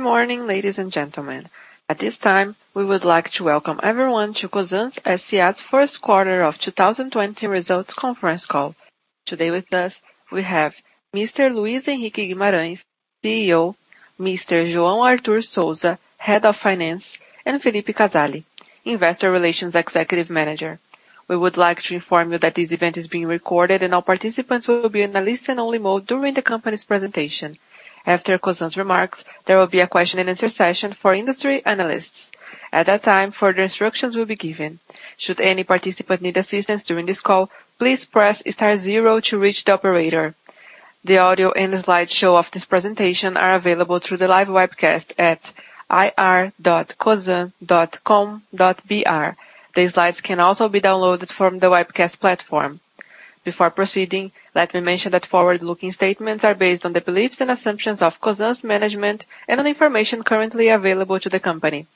Good morning, ladies and gentlemen. At this time, we would like to welcome everyone to Cosan S.A.'s first quarter of 2020 results conference call. Today with us, we have Mr. Luis Henrique Guimarães, CEO, Mr. João Arthur Souza, Head of Finance, and Felipe Casali, Investor Relations Executive Manager. We would like to inform you that this event is being recorded and all participants will be in a listen-only mode during the company's presentation. After Cosan's remarks, there will be a question and answer session for industry analysts. At that time, further instructions will be given. Should any participant need assistance during this call, please press star zero to reach the operator. The audio and the slideshow of this presentation are available through the live webcast at ir.cosan.com.br. The slides can also be downloaded from the webcast platform. Before proceeding, let me mention that forward-looking statements are based on the beliefs and assumptions of Cosan's management and on information currently available to the company.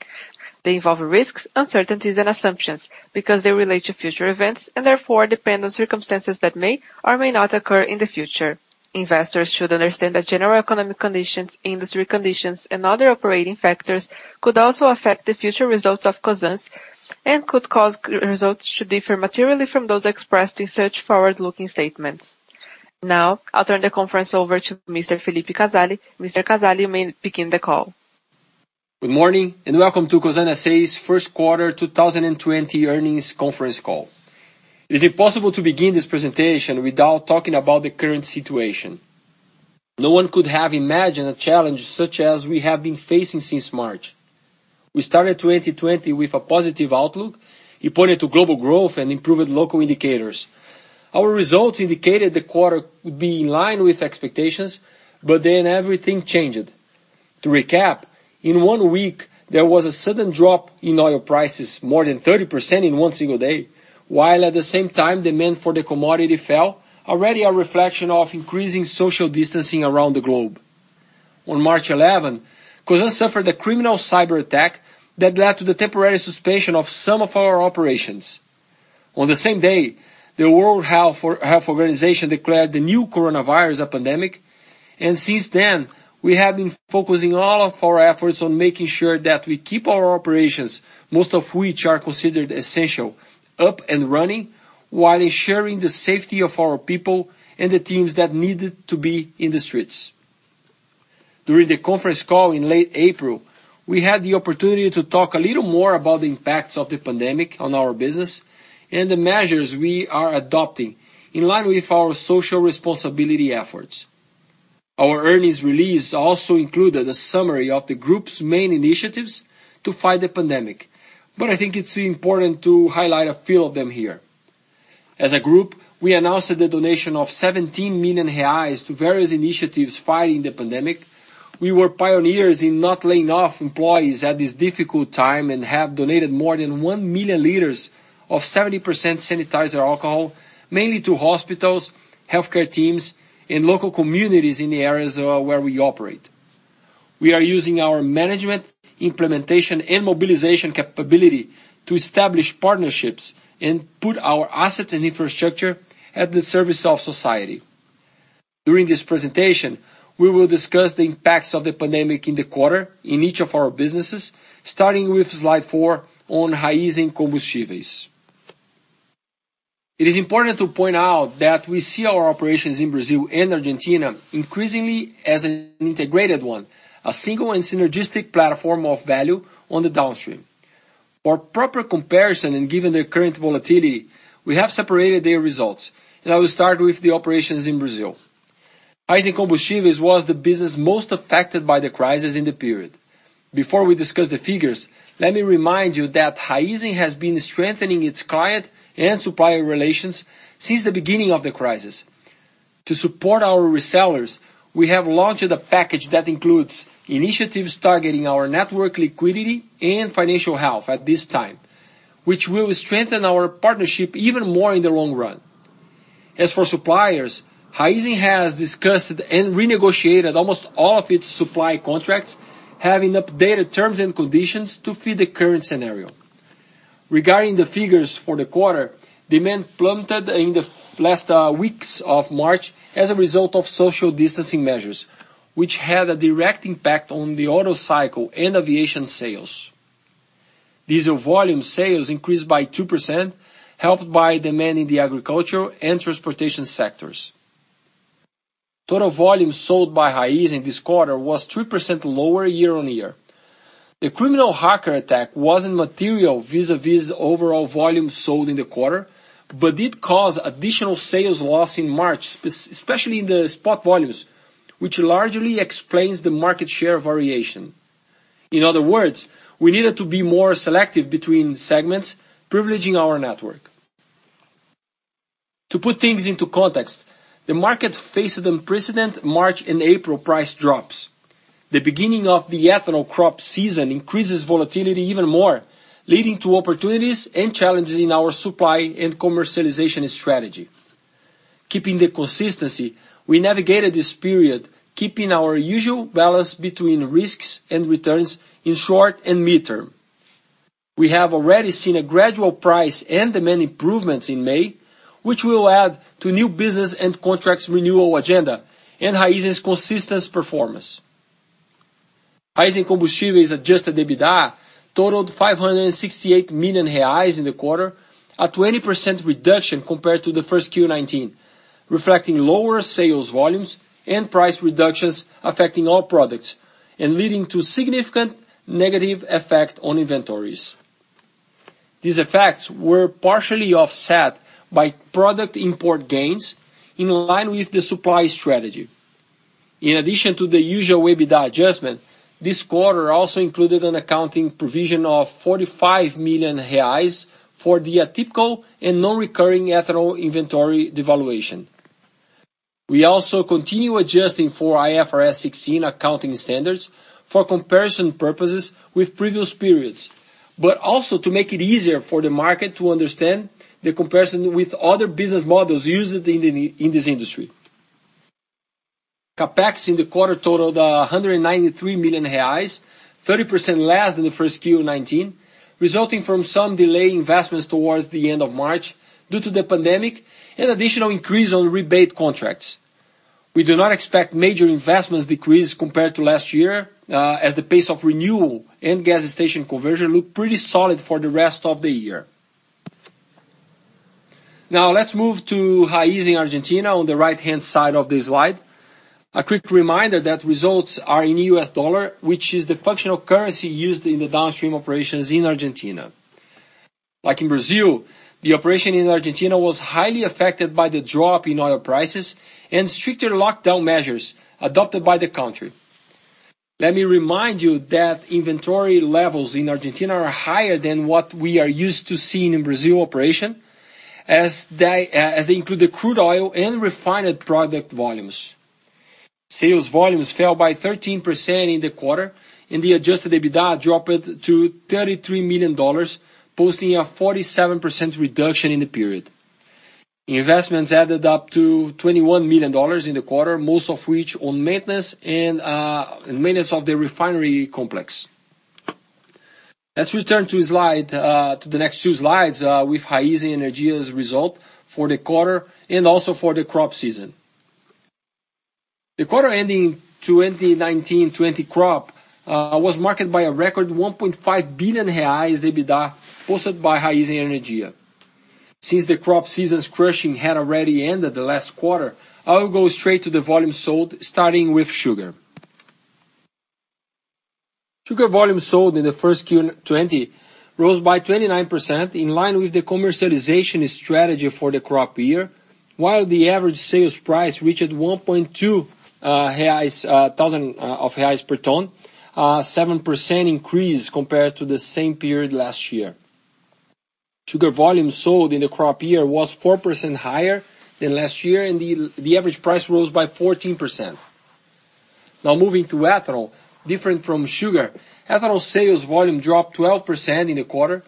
They involve risks, uncertainties, and assumptions because they relate to future events and therefore depend on circumstances that may or may not occur in the future. Investors should understand that general economic conditions, industry conditions, and other operating factors could also affect the future results of Cosan's and could cause results to differ materially from those expressed in such forward-looking statements. Now, I'll turn the conference over to Mr. Felipe Casali. Mr. Casali, you may begin the call. Good morning. Welcome to Cosan S.A.'s first quarter 2020 earnings conference call. It is impossible to begin this presentation without talking about the current situation. No one could have imagined a challenge such as we have been facing since March. We started 2020 with a positive outlook. It pointed to global growth and improved local indicators. Our results indicated the quarter would be in line with expectations. Everything changed. To recap, in one week, there was a sudden drop in oil prices, more than 30% in one single day, while at the same time, demand for the commodity fell, already a reflection of increasing social distancing around the globe. On March 11, Cosan suffered a criminal cyberattack that led to the temporary suspension of some of our operations. On the same day, the World Health Organization declared the new coronavirus a pandemic. Since then, we have been focusing all of our efforts on making sure that we keep our operations, most of which are considered essential, up and running, while ensuring the safety of our people and the teams that need to be in the streets. During the conference call in late April, we had the opportunity to talk a little more about the impacts of the pandemic on our business and the measures we are adopting in line with our social responsibility efforts. Our earnings release also included a summary of the group's main initiatives to fight the pandemic. I think it's important to highlight a few of them here. As a group, we announced the donation of 17 million reais to various initiatives fighting the pandemic. We were pioneers in not laying off employees at this difficult time and have donated more than 1 million liters of 70% sanitizer alcohol, mainly to hospitals, healthcare teams, and local communities in the areas where we operate. We are using our management, implementation, and mobilization capability to establish partnerships and put our assets and infrastructure at the service of society. During this presentation, we will discuss the impacts of the pandemic in the quarter in each of our businesses, starting with slide four on Raízen Combustíveis. It is important to point out that we see our operations in Brazil and Argentina increasingly as an integrated one, a single and synergistic platform of value on the downstream. For proper comparison and given the current volatility, we have separated their results, and I will start with the operations in Brazil. Raízen Combustíveis was the business most affected by the crisis in the period. Before we discuss the figures, let me remind you that Raízen has been strengthening its client and supplier relations since the beginning of the crisis. To support our resellers, we have launched a package that includes initiatives targeting our network liquidity and financial health at this time, which will strengthen our partnership even more in the long run. As for suppliers, Raízen has discussed and renegotiated almost all of its supply contracts, having updated terms and conditions to fit the current scenario. Regarding the figures for the quarter, demand plummeted in the last weeks of March as a result of social distancing measures, which had a direct impact on the auto cycle and aviation sales. Diesel volume sales increased by 2%, helped by demand in the agriculture and transportation sectors. Total volume sold by Raízen this quarter was 3% lower year-on-year. The criminal hacker attack wasn't material vis-à-vis overall volume sold in the quarter, but did cause additional sales loss in March, especially in the spot volumes, which largely explains the market share variation. In other words, we needed to be more selective between segments, privileging our network. To put things into context, the market faced unprecedented March and April price drops. The beginning of the ethanol crop season increases volatility even more, leading to opportunities and challenges in our supply and commercialization strategy. Keeping the consistency, we navigated this period, keeping our usual balance between risks and returns in short and mid-term. We have already seen a gradual price and demand improvements in May, which will add to new business and contracts renewal agenda and Raízen's consistent performance. Raízen Combustíveis adjusted EBITDA totaled 568 million reais in the quarter, a 20% reduction compared to the first Q19, reflecting lower sales volumes and price reductions affecting all products and leading to significant negative effect on inventories. These effects were partially offset by product import gains in line with the supply strategy. In addition to the usual EBITDA adjustment, this quarter also included an accounting provision of 45 million reais for the atypical and non-recurring ethanol inventory devaluation. We also continue adjusting for IFRS 16 accounting standards for comparison purposes with previous periods, but also to make it easier for the market to understand the comparison with other business models used in this industry. CapEx in the quarter totaled 193 million reais, 30% less than the first Q19, resulting from some delay investments towards the end of March due to the pandemic and additional increase on rebate contracts. We do not expect major investments decrease compared to last year, as the pace of renewal and gas station conversion look pretty solid for the rest of the year. Let's move to Raízen Argentina on the right-hand side of the slide. A quick reminder that results are in U.S. dollar, which is the functional currency used in the downstream operations in Argentina. Like in Brazil, the operation in Argentina was highly affected by the drop in oil prices and stricter lockdown measures adopted by the country. Let me remind you that inventory levels in Argentina are higher than what we are used to seeing in Brazil operation, as they include the crude oil and refined product volumes. Sales volumes fell by 13% in the quarter, and the adjusted EBITDA dropped to $33 million, posting a 47% reduction in the period. Investments added up to BRL 21 million in the quarter, most of which on maintenance of the refinery complex. Let's return to the next two slides with Raízen Energia's result for the quarter and also for the crop season. The quarter-ending 2019/2020 crop was marked by a record 1.5 billion reais EBITDA posted by Raízen Energia. The crop season's crushing had already ended the last quarter, I will go straight to the volume sold starting with sugar. Sugar volume sold in the first Q in 2020 rose by 29%, in line with the commercialization strategy for the crop year, while the average sales price reached 1.2 thousand reais per ton, a 7% increase compared to the same period last year. Sugar volume sold in the crop year was 4% higher than last year. The average price rose by 14%. Moving to ethanol. Different from sugar, ethanol sales volume dropped 12% in the quarter,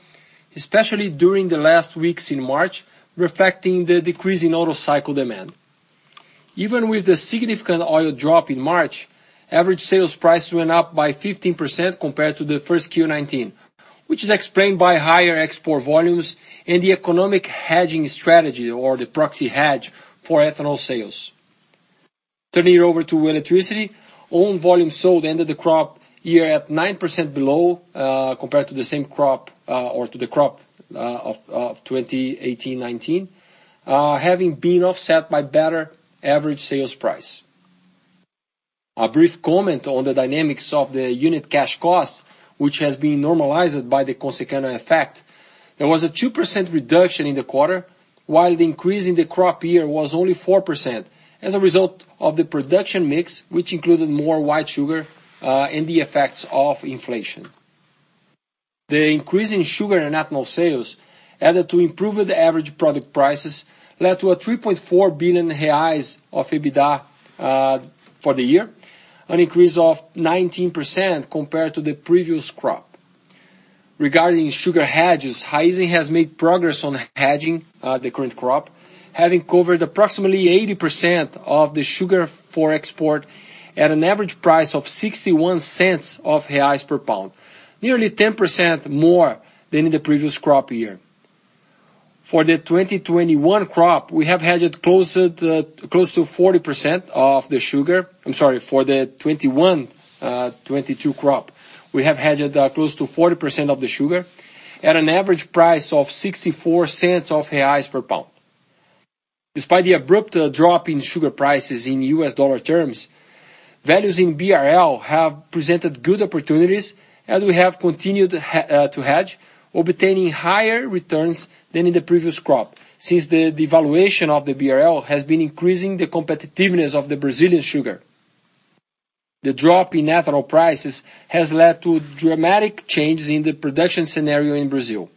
especially during the last weeks in March, reflecting the decrease in auto cycle demand. Even with the significant oil drop in March, average sales prices went up by 15% compared to the first Q 2019, which is explained by higher export volumes and the economic hedging strategy or the proxy hedge for ethanol sales. Turning over to electricity. Own volume sold ended the crop year at 9% below compared to the crop of 2018/2019, having been offset by better average sales price. A brief comment on the dynamics of the unit cash cost, which has been normalized by the Consecana effect. There was a 2% reduction in the quarter, while the increase in the crop year was only 4% as a result of the production mix, which included more white sugar and the effects of inflation. The increase in sugar and ethanol sales added to improved average product prices led to 3.4 billion reais of EBITDA for the year, an increase of 19% compared to the previous crop. Regarding sugar hedges, Raízen has made progress on hedging the current crop, having covered approximately 80% of the sugar for export at an average price of 0.61 per pound, nearly 10% more than in the previous crop year. For the 2021 crop, we have hedged close to 40% of the sugar. I'm sorry. For the 2021-2022 crop, we have hedged close to 40% of the sugar at an average price of 0.64 per pound. Despite the abrupt drop in sugar prices in U.S. dollar terms, values in BRL have presented good opportunities as we have continued to hedge, obtaining higher returns than in the previous crop, since the devaluation of the BRL has been increasing the competitiveness of the Brazilian sugar. The drop in ethanol prices has led to dramatic changes in the production scenario in Brazil.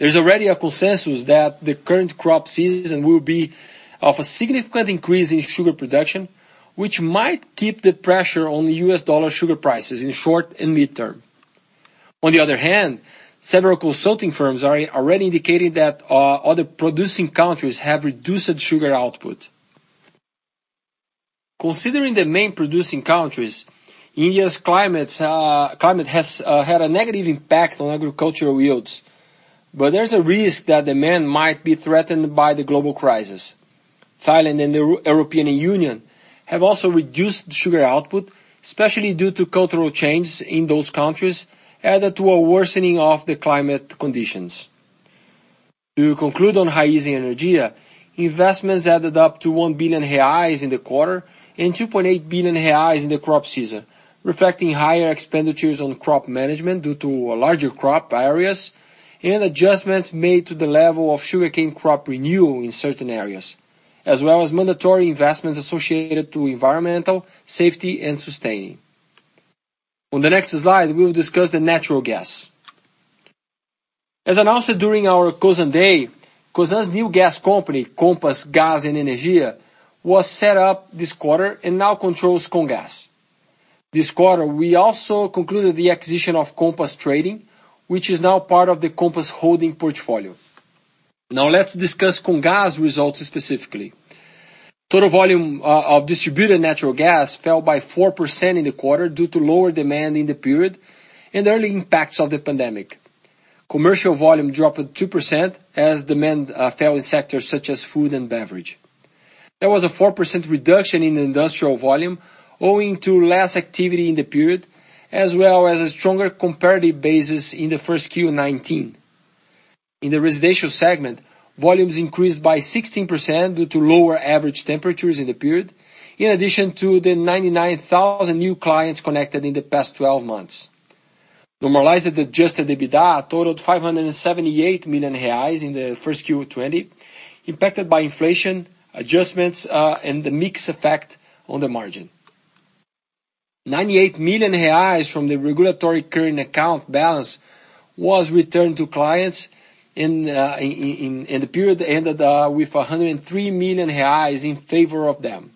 There's already a consensus that the current crop season will be of a significant increase in sugar production, which might keep the pressure on the U.S. dollar sugar prices in short and mid-term. On the other hand, several consulting firms are already indicating that other producing countries have reduced sugar output. Considering the main producing countries, India's climate has had a negative impact on agricultural yields, but there's a risk that demand might be threatened by the global crisis. Thailand and the European Union have also reduced sugar output, especially due to cultural changes in those countries, added to a worsening of the climate conditions. To conclude on Raízen Energia, investments added up to 1 billion reais in the quarter, and 2.8 billion reais in the crop season, reflecting higher expenditures on crop management due to larger crop areas and adjustments made to the level of sugarcane crop renewal in certain areas, as well as mandatory investments associated to environmental, safety, and sustaining. On the next slide, we will discuss the natural gas. As announced during our Cosan Day, Cosan's new gas company, Compass Gás e Energia, was set up this quarter and now controls Comgás. This quarter, we also concluded the acquisition of Compass Trading, which is now part of the Compass holding portfolio. Let's discuss Comgás results specifically. Total volume of distributed natural gas fell by 4% in the quarter due to lower demand in the period and the early impacts of the pandemic. Commercial volume dropped 2% as demand fell in sectors such as food and beverage. There was a 4% reduction in industrial volume owing to less activity in the period, as well as a stronger comparative basis in the first Q 2019. In the residential segment, volumes increased by 16% due to lower average temperatures in the period, in addition to the 99,000 new clients connected in the past 12 months. Normalized adjusted EBITDA totaled 578 million reais in the first Q 2020, impacted by inflation adjustments and the mix effect on the margin. 98 million reais from the regulatory current account balance was returned to clients, and the period ended with 103 million reais in favor of them.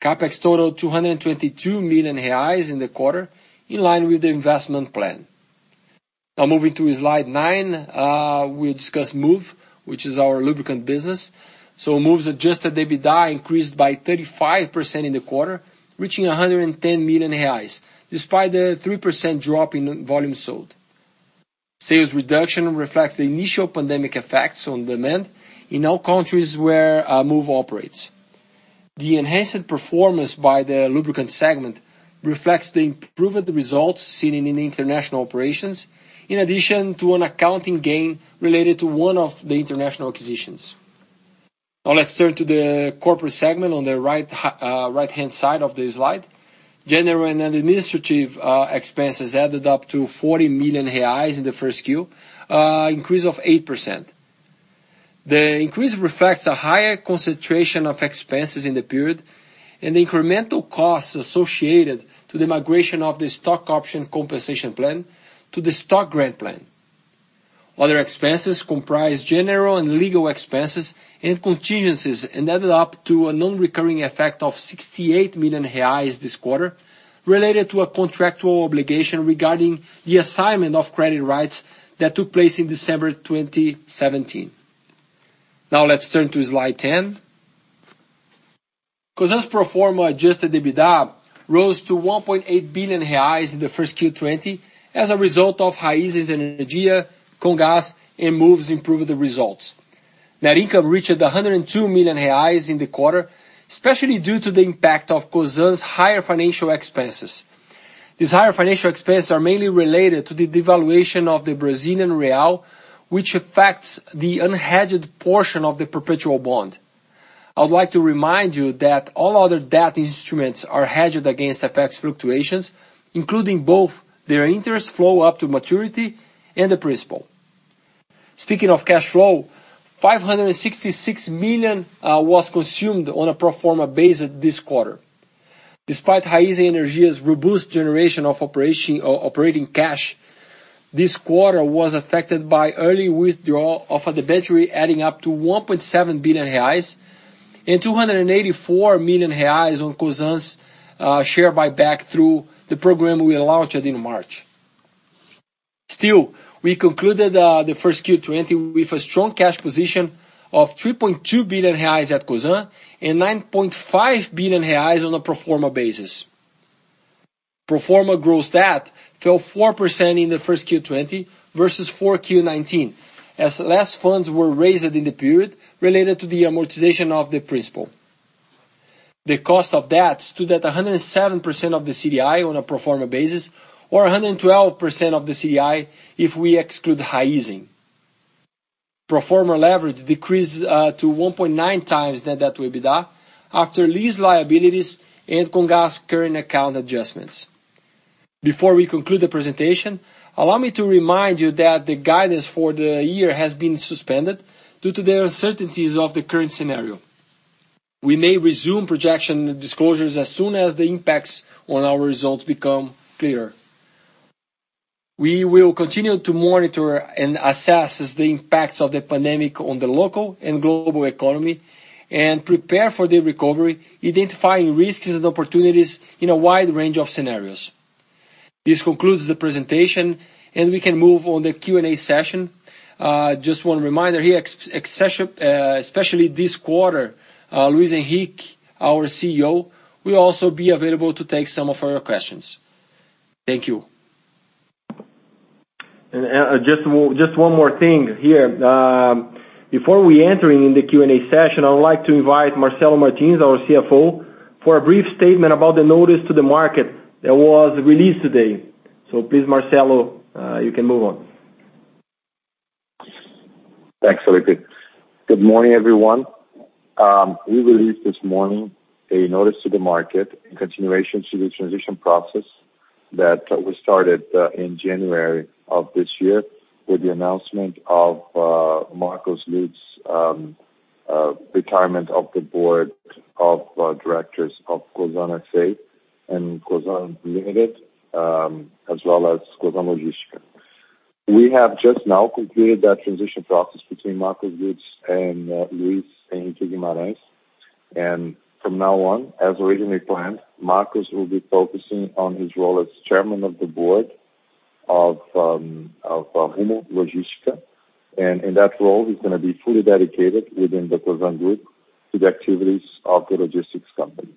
CapEx totaled 222 million reais in the quarter, in line with the investment plan. Moving to slide nine, we'll discuss Moove, which is our lubricant business. Moove's adjusted EBITDA increased by 35% in the quarter, reaching 110 million reais, despite a 3% drop in volume sold. Sales reduction reflects the initial pandemic effects on demand in all countries where Moove operates. The enhanced performance by the lubricant segment reflects the improved results seen in international operations, in addition to an accounting gain related to one of the international acquisitions. Let's turn to the corporate segment on the right-hand side of the slide. General and administrative expenses added up to 40 million reais in the first Q, an increase of 8%. The increase reflects a higher concentration of expenses in the period and the incremental costs associated to the migration of the stock option compensation plan to the stock grant plan. Other expenses comprise general and legal expenses and contingencies, and added up to a non-recurring effect of 68 million reais this quarter, related to a contractual obligation regarding the assignment of credit rights that took place in December 2017. Let's turn to slide 10. Cosan's pro forma adjusted EBITDA rose to 1.8 billion reais in the first Q20 as a result of Raízen Energia, Comgás, and Moove's improved results. Net income reached 102 million reais in the quarter, especially due to the impact of Cosan's higher financial expenses. These higher financial expenses are mainly related to the devaluation of the Brazilian real, which affects the unhedged portion of the perpetual bond. I would like to remind you that all other debt instruments are hedged against FX fluctuations, including both their interest flow up to maturity and the principal. Speaking of cash flow, 566 million was consumed on a pro forma basis this quarter. Despite Raízen Energia's robust generation of operating cash, this quarter was affected by early withdrawal of debenture adding up to 1.7 billion reais and 284 million reais on Cosan's share buyback through the program we launched in March. Still, we concluded the first Q20 with a strong cash position of 3.2 billion reais at Cosan and 5.5 billion reais on a pro forma basis. Pro forma gross debt fell 4% in the first Q 2020 versus four Q 2019, as less funds were raised in the period related to the amortization of the principal. The cost of debt stood at 107% of the CDI on a pro forma basis, or 112% of the CDI if we exclude Raízen. Pro forma leverage decreased to 1.9x that EBITDA after lease liabilities and Comgás current account adjustments. Before we conclude the presentation, allow me to remind you that the guidance for the year has been suspended due to the uncertainties of the current scenario. We may resume projection disclosures as soon as the impacts on our results become clearer. We will continue to monitor and assess the impacts of the pandemic on the local and global economy and prepare for the recovery, identifying risks and opportunities in a wide range of scenarios. This concludes the presentation. We can move on the Q&A session. Just one reminder here, especially this quarter, Luis Henrique, our CEO, will also be available to take some of your questions. Thank you. Just one more thing here. Before we enter in the Q&A session, I would like to invite Marcelo Martins, our CFO, for a brief statement about the notice to the market that was released today. Please, Marcelo, you can move on. Thanks, Felipe. Good morning, everyone. We released this morning a notice to the market in continuation to the transition process that was started in January of this year with the announcement of Marcos Lutz retirement of the board of directors of Cosan S.A. and Cosan Limited, as well as Cosan Logística. We have just now completed that transition process between Marcos Lutz and Luis Henrique Guimarães. From now on, as originally planned, Marcos will be focusing on his role as chairman of the board of Rumo Logística. In that role, he's going to be fully dedicated within the Cosan Group to the activities of the logistics company.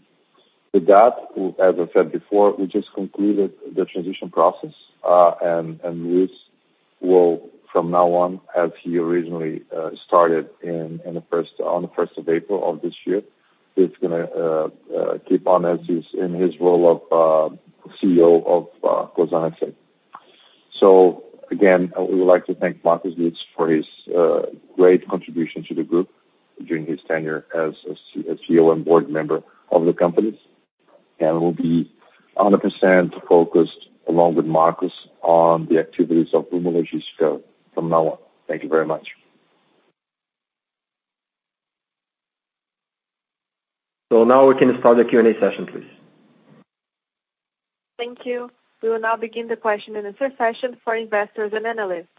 With that, as I said before, we just concluded the transition process. Luis will, from now on, as he originally started on the 1st of April of this year, he's going to keep on as is in his role of CEO of Cosan S.A. Again, we would like to thank Marcos Lutz for his great contribution to the group during his tenure as CEO and board member of the companies. We'll be 100% focused, along with Marcos, on the activities of Rumo Logística from now on. Thank you very much. Now we can start the Q&A session, please. Thank you. We will now begin the question-and-answer session for investors and analysts.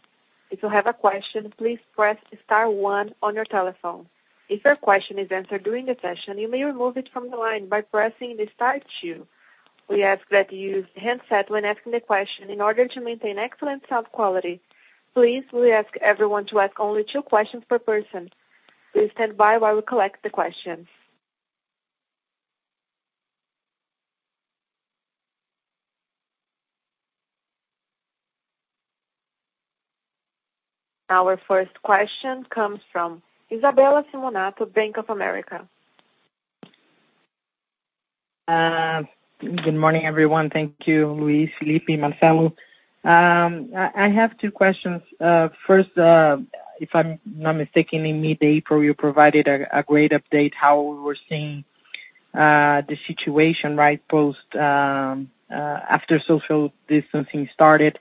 If you have a question, please press star one on your telephone. If your question is answered during the session, you may remove it from the line by pressing star two. We ask that you use the handset when asking the question in order to maintain excellent sound quality. Please, we ask everyone to ask only two questions per person. Please stand by while we collect the questions. Our first question comes from Isabella Simonato, Bank of America. Good morning, everyone. Thank you, Luis, Felipe, Marcelo. I have two questions. First, if I'm not mistaken, in mid-April, you provided a great update how we were seeing the situation, right, post after social distancing started.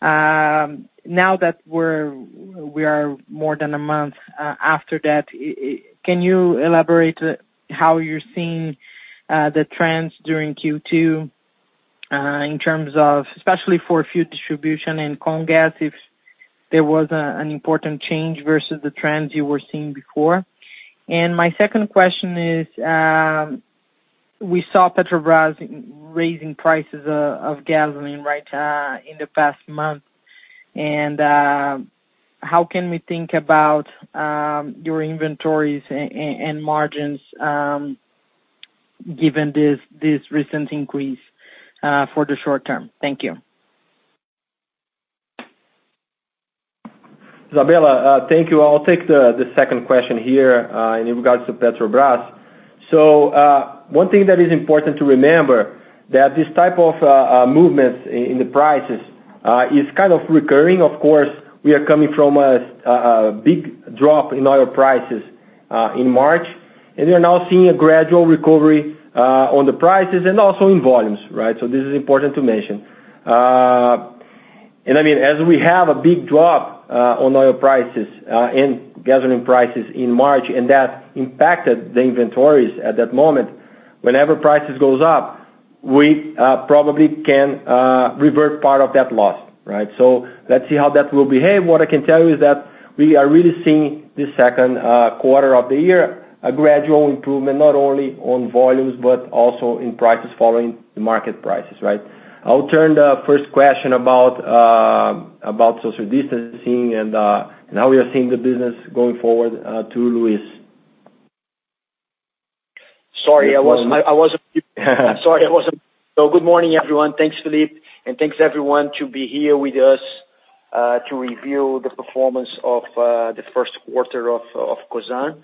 Now that we are more than a month after that, can you elaborate how you're seeing the trends during Q2 in terms of, especially for fuel distribution and Comgás, if there was an important change versus the trends you were seeing before? My second question is, we saw Petrobras raising prices of gasoline, right, in the past month. How can we think about your inventories and margins given this recent increase for the short-term? Thank you. Isabella, thank you. I'll take the second question here in regards to Petrobras. One thing that is important to remember that this type of movements in the prices is kind of recurring. Of course, we are coming from a big drop in oil prices in March, and we are now seeing a gradual recovery on the prices and also in volumes, right? This is important to mention. As we have a big drop on oil prices and gasoline prices in March, and that impacted the inventories at that moment, whenever prices goes up, we probably can revert part of that loss, right? Let's see how that will behave. What I can tell you is that we are really seeing this second quarter of the year, a gradual improvement not only on volumes but also in prices following the market prices, right? I will turn the first question about social distancing and how we are seeing the business going forward to Luis. Good morning, everyone. Thanks, Felipe, and thanks, everyone, to be here with us to review the performance of the first quarter of Cosan.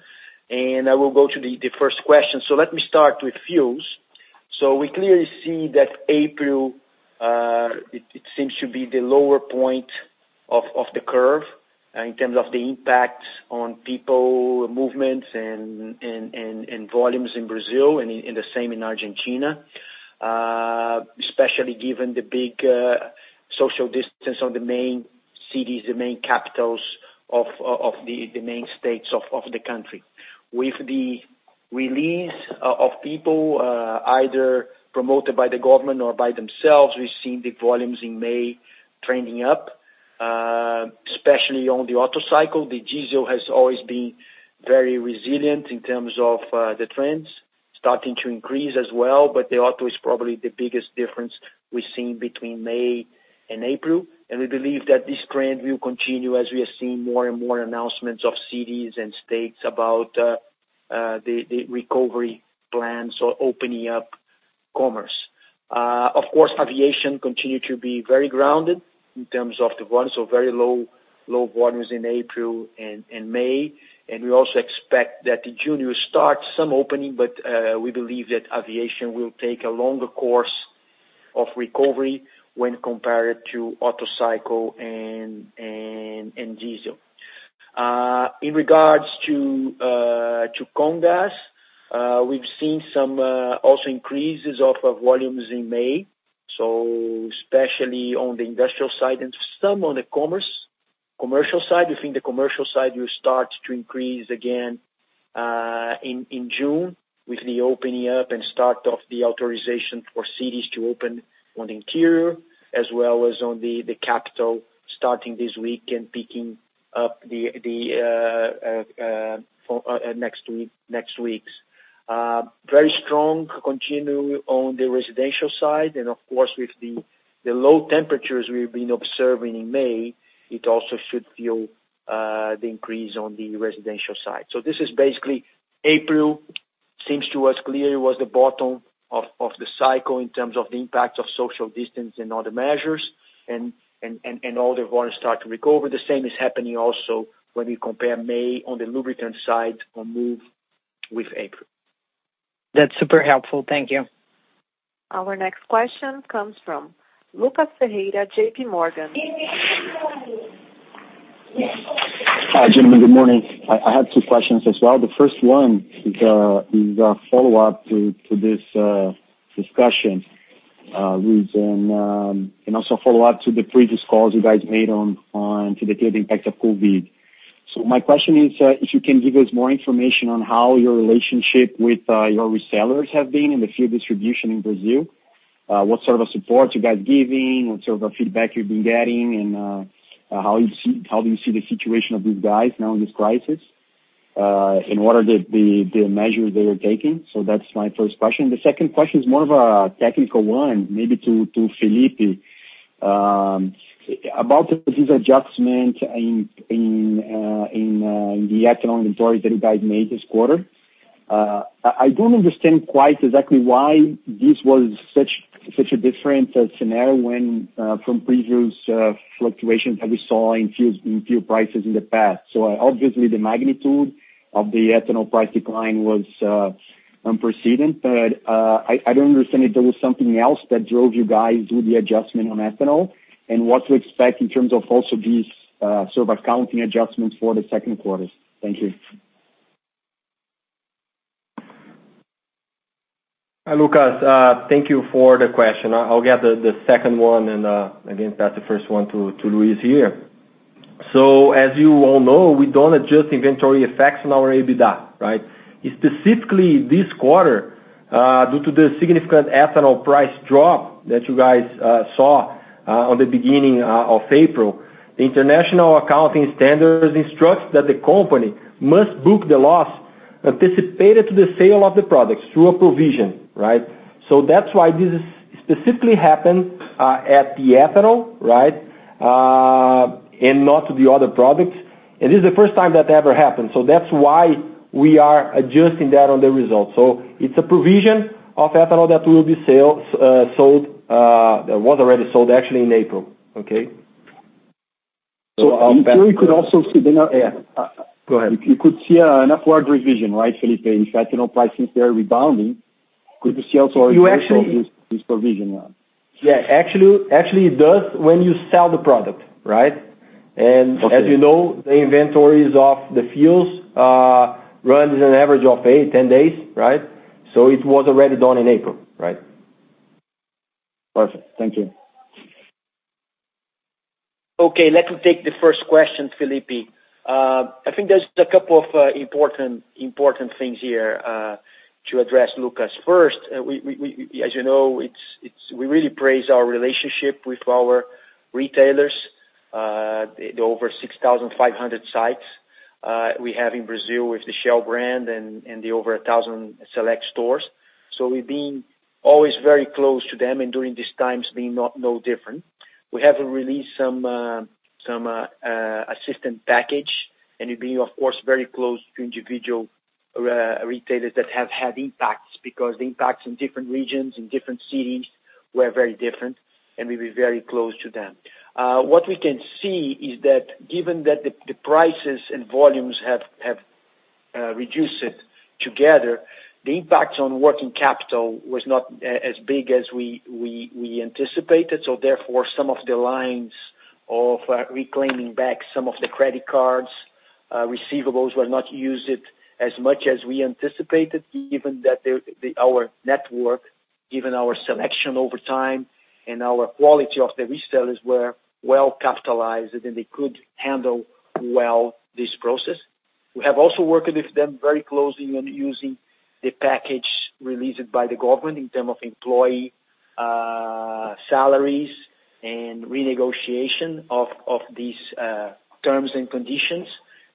I will go to the first question. Let me start with fuels. We clearly see that April, it seems to be the lower point of the curve in terms of the impact on people, movements, and volumes in Brazil and the same in Argentina, especially given the big social distance of the main cities, the main capitals of the main states of the country. With the release of people, either promoted by the government or by themselves, we've seen the volumes in May trending up, especially on the auto cycle. The diesel has always been very resilient in terms of the trends. Starting to increase as well, but the auto is probably the biggest difference we've seen between May and April, and we believe that this trend will continue as we are seeing more and more announcements of cities and states about the recovery plans or opening up commerce. Of course, aviation continued to be very grounded in terms of the volumes, so very low volumes in April and May. We also expect that in June, we'll start some opening, but we believe that aviation will take a longer course of recovery when compared to auto, cycle, and diesel. In regards to Comgás, we've seen some also increases of volumes in May, especially on the industrial side and some on the commerce commercial side. We think the commercial side will start to increase again in June with the opening up and start of the authorization for cities to open on the interior as well as on the capital starting this week and picking up next week. Very strong continue on the residential side. Of course, with the low temperatures we've been observing in May, it also should fuel the increase on the residential side. This is basically April seems to us clearly was the bottom of the cycle in terms of the impact of social distance and other measures and all the volumes start to recover. The same is happening also when we compare May on the lubricant side on Moove with April. That's super helpful. Thank you. Our next question comes from Lucas Ferreira, JPMorgan. Hi, gentlemen. Good morning. I have two questions as well. The first one is a follow-up to this discussion, Luis, and also a follow-up to the previous calls you guys made on to the clear impact of COVID. My question is, if you can give us more information on how your relationship with your resellers have been in the field distribution in Brazil. What sort of a support you guys giving, what sort of a feedback you've been getting, and how do you see the situation of these guys now in this crisis, and what are the measures they are taking? That's my first question. The second question is more of a technical one, maybe to Felipe about this adjustment in the ethanol inventory that you guys made this quarter. I don't understand quite exactly why this was such a different scenario from previous fluctuations that we saw in fuel prices in the past. Obviously, the magnitude of the ethanol price decline was unprecedented, but I don't understand if there was something else that drove you guys do the adjustment on ethanol and what to expect in terms of also these sort of accounting adjustments for the second quarter. Thank you. Hi, Lucas. Thank you for the question. I'll get the second one, and again, pass the first one to Luis here. As you all know, we don't adjust inventory effects on our EBITDA, right? Specifically this quarter, due to the significant ethanol price drop that you guys saw on the beginning of April, the International Accounting Standards instructs that the company must book the loss anticipated to the sale of the products through a provision, right? That's why this specifically happened at the ethanol, right? Not to the other products. This is the first time that ever happened. That's why we are adjusting that on the results. It's a provision of ethanol that will be sold, that was already sold actually in April. Okay? In theory, Yeah, go ahead. You could see an upward revision, right, Felipe? In fact, you know, prices there are rebounding. Could you see also? You actually- this provision now? Yeah, actually, it does when you sell the product, right? Okay. As you know, the inventories of the fuels runs an average of 8-10 days, right? It was already done in April, right? Perfect. Thank you. Okay, let me take the first question, Felipe. I think there's a couple of important things here to address, Lucas. First, as you know, we really praise our relationship with our retailers, the over 6,500 sites we have in Brazil with the Shell brand and the over 1,000 Select stores. We've been always very close to them, and during these times being no different. We have released some assistance package, and we've been, of course, very close to individual retailers that have had impacts because the impacts in different regions, in different cities were very different, and we've been very close to them. What we can see is that given that the prices and volumes have reduced together, the impact on working capital was not as big as we anticipated. Therefore, some of the lines of reclaiming back some of the credit card receivables were not used as much as we anticipated, given that our network, given our selection over time, and our quality of the resellers were well-capitalized, and they could handle well this process. We have also worked with them very closely on using the package released by the government in terms of employee salaries and renegotiation of these terms and conditions.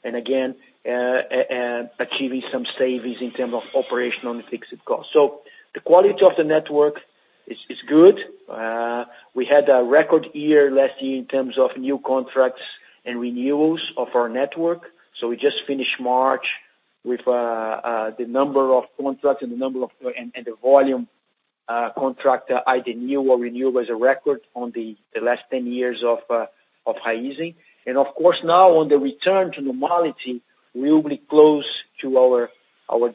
Again, achieving some savings in terms of operational and fixed costs. The quality of the network is good. We had a record year last year in terms of new contracts and renewals of our network. We just finished March with the number of contracts and the volume contract either new or renewal is a record on the last 10 years of Raízen. Of course, now on the return to normality, we will be close to our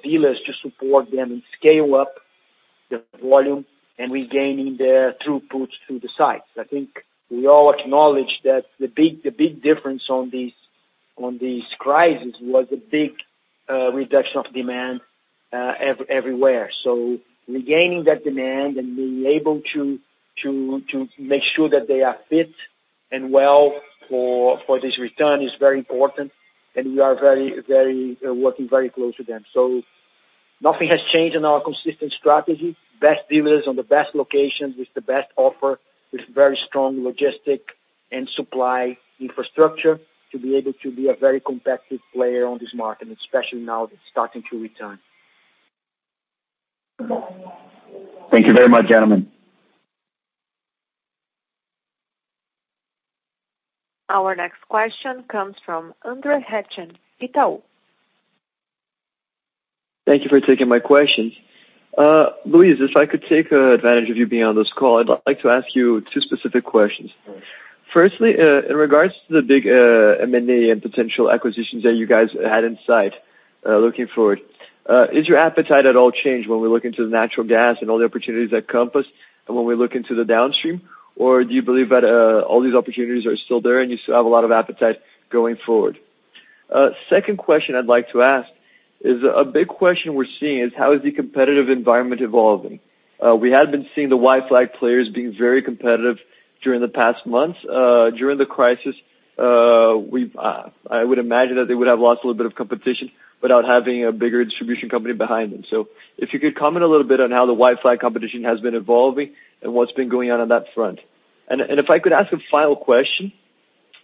dealers to support them and scale up the volume and regaining their throughputs through the sites. I think we all acknowledge that the big difference on this crisis was the big reduction of demand everywhere. Regaining that demand and being able to make sure that they are fit and well for this return is very important, and we are working very close to them. Nothing has changed in our consistent strategy, best dealers on the best locations with the best offer, with very strong logistic and supply infrastructure to be able to be a very competitive player on this market, and especially now that it's starting to return. Thank you very much, gentlemen. Our next question comes from André Hachem, Itaú BBA. Thank you for taking my questions. Luis, if I could take advantage of you being on this call, I'd like to ask you two specific questions. In regards to the big M&A and potential acquisitions that you guys had in sight looking forward, has your appetite at all changed when we look into the natural gas and all the opportunities at Compass and when we look into the downstream? Do you believe that all these opportunities are still there and you still have a lot of appetite going forward? Second question I'd like to ask is a big question we're seeing is how is the competitive environment evolving? We have been seeing the white flag players being very competitive during the past months, during the crisis. I would imagine that they would have lost a little bit of competition without having a bigger distribution company behind them. If you could comment a little bit on how the white flag competition has been evolving and what's been going on that front. If I could ask a final question,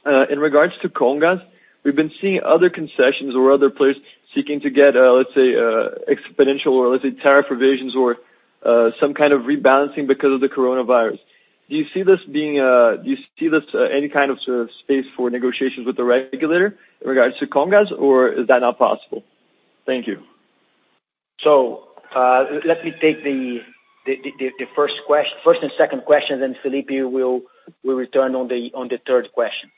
in regards to Comgás, we've been seeing other concessions or other players seeking to get, let's say, exponential or let's say tariff revisions or some kind of rebalancing because of the coronavirus. Do you see this any kind of space for negotiations with the regulator in regards to Comgás, or is that not possible? Thank you. Let me take the first and second questions, and Felipe will return on the third question.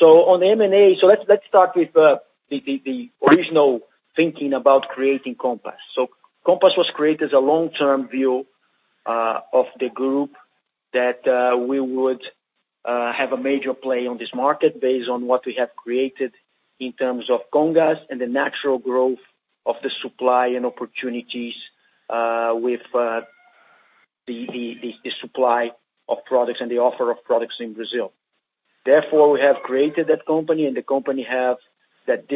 On the M&A, let's start with the original thinking about creating Compass. Compass was created as a long-term view of the group that we would have a major play on this market based on what we have created in terms of Comgás and the natural growth of the supply and opportunities with the supply of products and the offer of products in Brazil. Therefore, we have created that company, and the company have that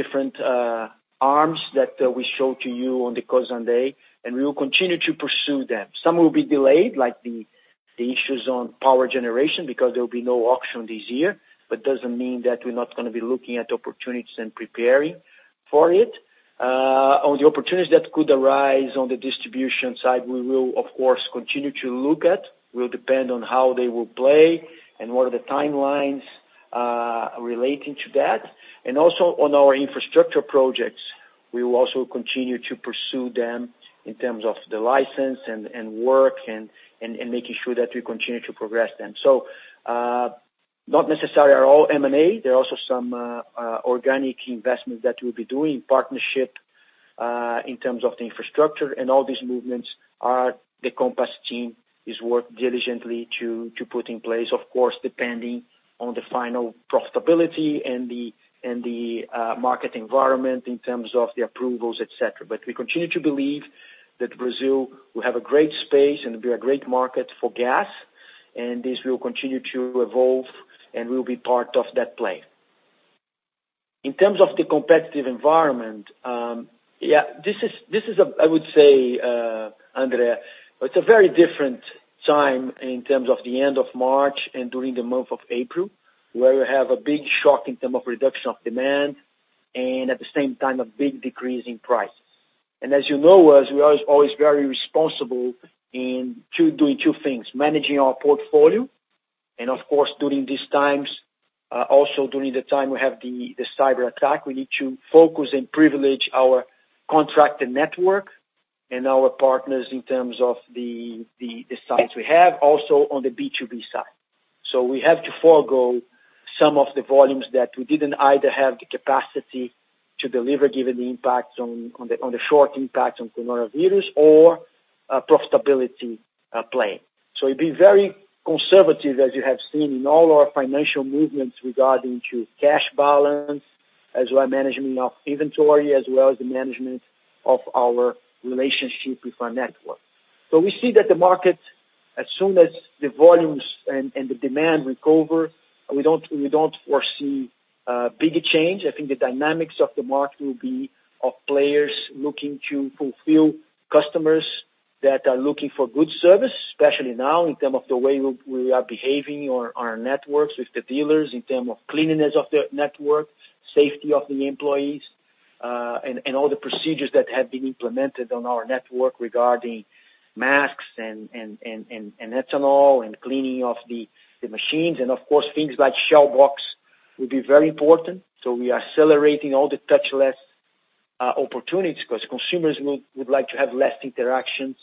different arms that we show to you on the Cosan Day, and we will continue to pursue them. Some will be delayed, like the issues on power generation, because there will be no auction this year. Doesn't mean that we're not going to be looking at opportunities and preparing for it. On the opportunities that could arise on the distribution side, we will, of course, continue to look at, will depend on how they will play and what are the timelines relating to that. Also on our infrastructure projects, we will also continue to pursue them in terms of the license and work and making sure that we continue to progress them. Not necessarily are all M&A. There are also some organic investments that we'll be doing, partnership, in terms of the infrastructure and all these movements are the Compass team is work diligently to put in place, of course, depending on the final profitability and the market environment in terms of the approvals, et cetera. We continue to believe that Brazil will have a great space and be a great market for gas, and this will continue to evolve and will be part of that play. In terms of the competitive environment, yeah, this is, I would say, André, it's a very different time in terms of the end of March and during the month of April, where we have a big shock in terms of reduction of demand and at the same time, a big decrease in price. As you know us, we are always very responsible in doing two things, managing our portfolio, and of course, during these times, also during the time we have the cyber attack, we need to focus and privilege our contracted network and our partners in terms of the sites we have, also on the B2B side. We have to forego some of the volumes that we didn't either have the capacity to deliver, given the short impact on coronavirus or profitability plan. We've been very conservative, as you have seen in all our financial movements regarding cash balance, as well as management of inventory, as well as the management of our relationship with our network. We see that the market, as soon as the volumes and the demand recover, we don't foresee a big change. I think the dynamics of the market will be of players looking to fulfill customers that are looking for good service, especially now in terms of the way we are behaving our networks with the dealers, in terms of cleanliness of the network, safety of the employees, and all the procedures that have been implemented on our network regarding masks and ethanol and cleaning of the machines. Of course, things like Shell Box will be very important. We are accelerating all the touchless opportunities, because consumers would like to have less interactions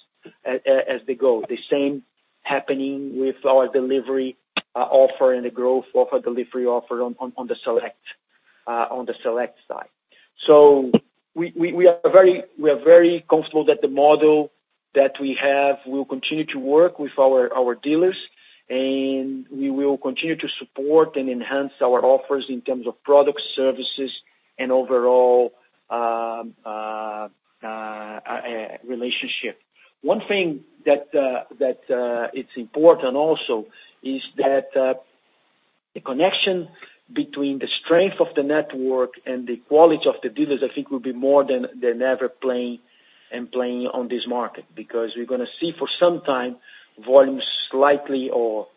as they go. The same happening with our delivery offer and the growth of our delivery offer on the Select side. We are very comfortable that the model that we have will continue to work with our dealers, and we will continue to support and enhance our offers in terms of product services and overall relationship. One thing that it's important also is that the connection between the strength of the network and the quality of the dealers, I think will be more than ever playing and playing on this market, because we're going to see for some time volumes slightly or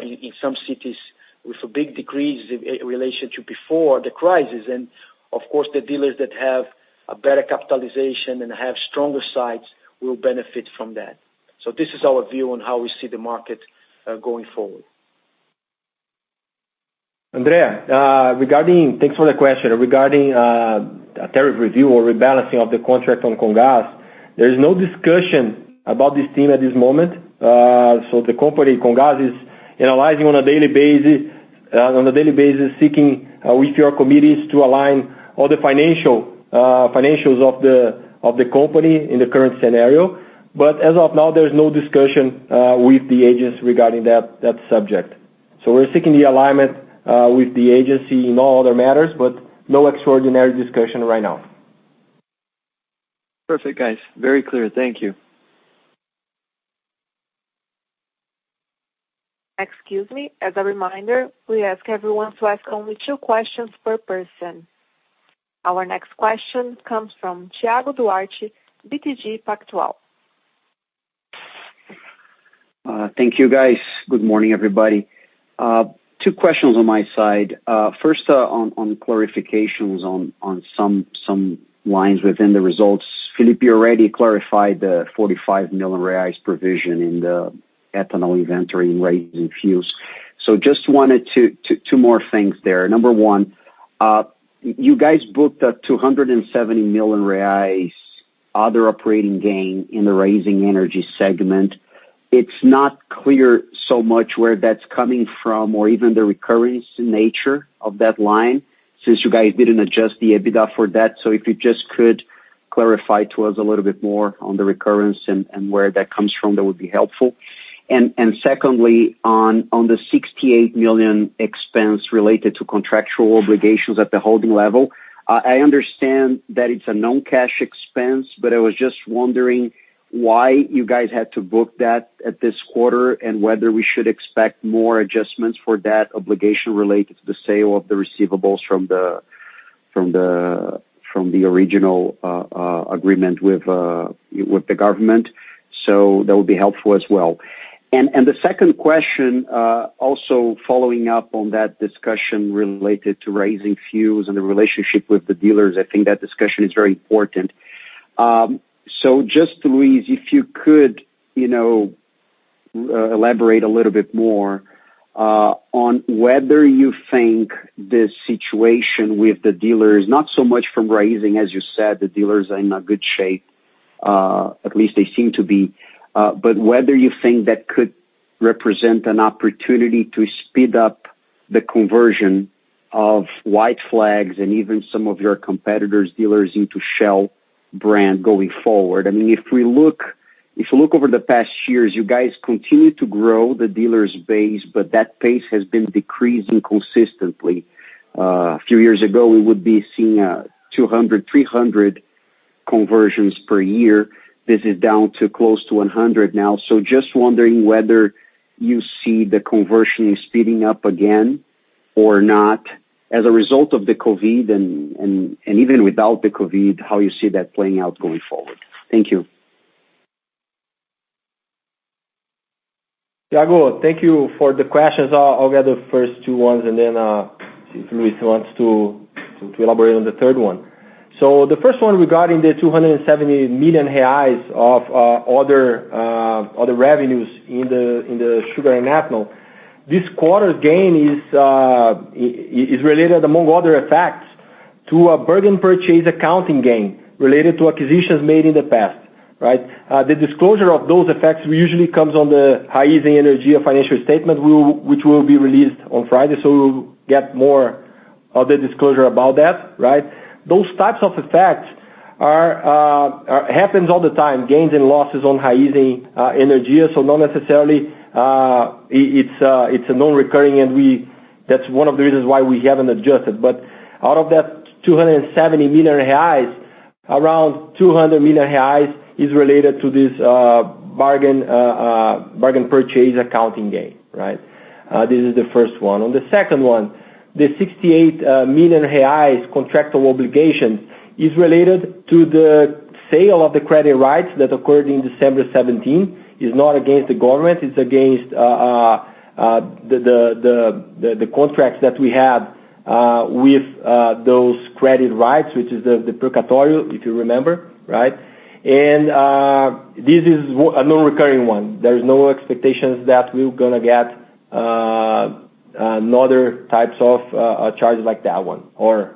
in some cities with a big decrease in relation to before the crisis. Of course, the dealers that have a better capitalization and have stronger sides will benefit from that. This is our view on how we see the market going forward. Andre, thanks for the question. Regarding a tariff review or rebalancing of the contract on Comgás, there is no discussion about this theme at this moment. The company Comgás is analyzing on a daily basis, seeking with your committees to align all the financials of the company in the current scenario. As of now, there's no discussion with the agents regarding that subject. We're seeking the alignment with the agency in all other matters, but no extraordinary discussion right now. Perfect, guys. Very clear. Thank you. Excuse me. As a reminder, we ask everyone to ask only two questions per person. Our next question comes from Thiago Duarte, BTG Pactual. Thank you, guys. Good morning, everybody. two questions on my side. First, on clarifications on some lines within the results. Felipe already clarified the 45 million reais provision in the ethanol inventory in Raízen fuels. Just wanted two more things there. Number one, you guys booked a 270 million reais other operating gain in the Raízen Energia segment. It's not clear so much where that's coming from or even the recurrence nature of that line since you guys didn't adjust the EBITDA for that. If you just could clarify to us a little bit more on the recurrence and where that comes from, that would be helpful. Secondly, on the 68 million BRL expense related to contractual obligations at the holding level. I understand that it's a non-cash expense, but I was just wondering why you guys had to book that at this quarter, and whether we should expect more adjustments for that obligation related to the sale of the receivables from the original agreement with the government. That would be helpful as well. The second question, also following up on that discussion related to Raízen fuels and the relationship with the dealers, I think that discussion is very important. Just Luis, if you could elaborate a little bit more on whether you think the situation with the dealers, not so much from Raízen, as you said, the dealers are in a good shape, at least they seem to be. Whether you think that could represent an opportunity to speed up the conversion of white flags and even some of your competitors dealers into Shell brand going forward. If you look over the past years, you guys continue to grow the dealers base, but that pace has been decreasing consistently. A few years ago, we would be seeing 200, 300 conversions per year. This is down to close to 100 now. Just wondering whether you see the conversion speeding up again or not as a result of the COVID and even without the COVID, how you see that playing out going forward. Thank you. Thiago, thank you for the questions. I'll get the first two ones and then see if Luis wants to elaborate on the third one. The first one regarding the 270 million reais of other revenues in the sugar and ethanol. This quarter's gain is related, among other effects, to a bargain purchase accounting gain related to acquisitions made in the past. The disclosure of those effects usually comes on the Raízen Energia financial statement, which will be released on Friday. We'll get more of the disclosure about that. Those types of effects happens all the time, gains and losses on Raízen Energia. Not necessarily, it's a non-recurring and that's one of the reasons why we haven't adjusted. Out of that 270 million reais, around 200 million reais is related to this bargain purchase accounting gain, right? This is the first one. On the second one, the 68 million reais contractual obligation is related to the sale of the credit rights that occurred in December 2017. It's not against the government, it's against the contract that we have with those credit rights, which is the precatório, if you remember. This is a non-recurring one. There is no expectations that we're going to get another types of charges like that one or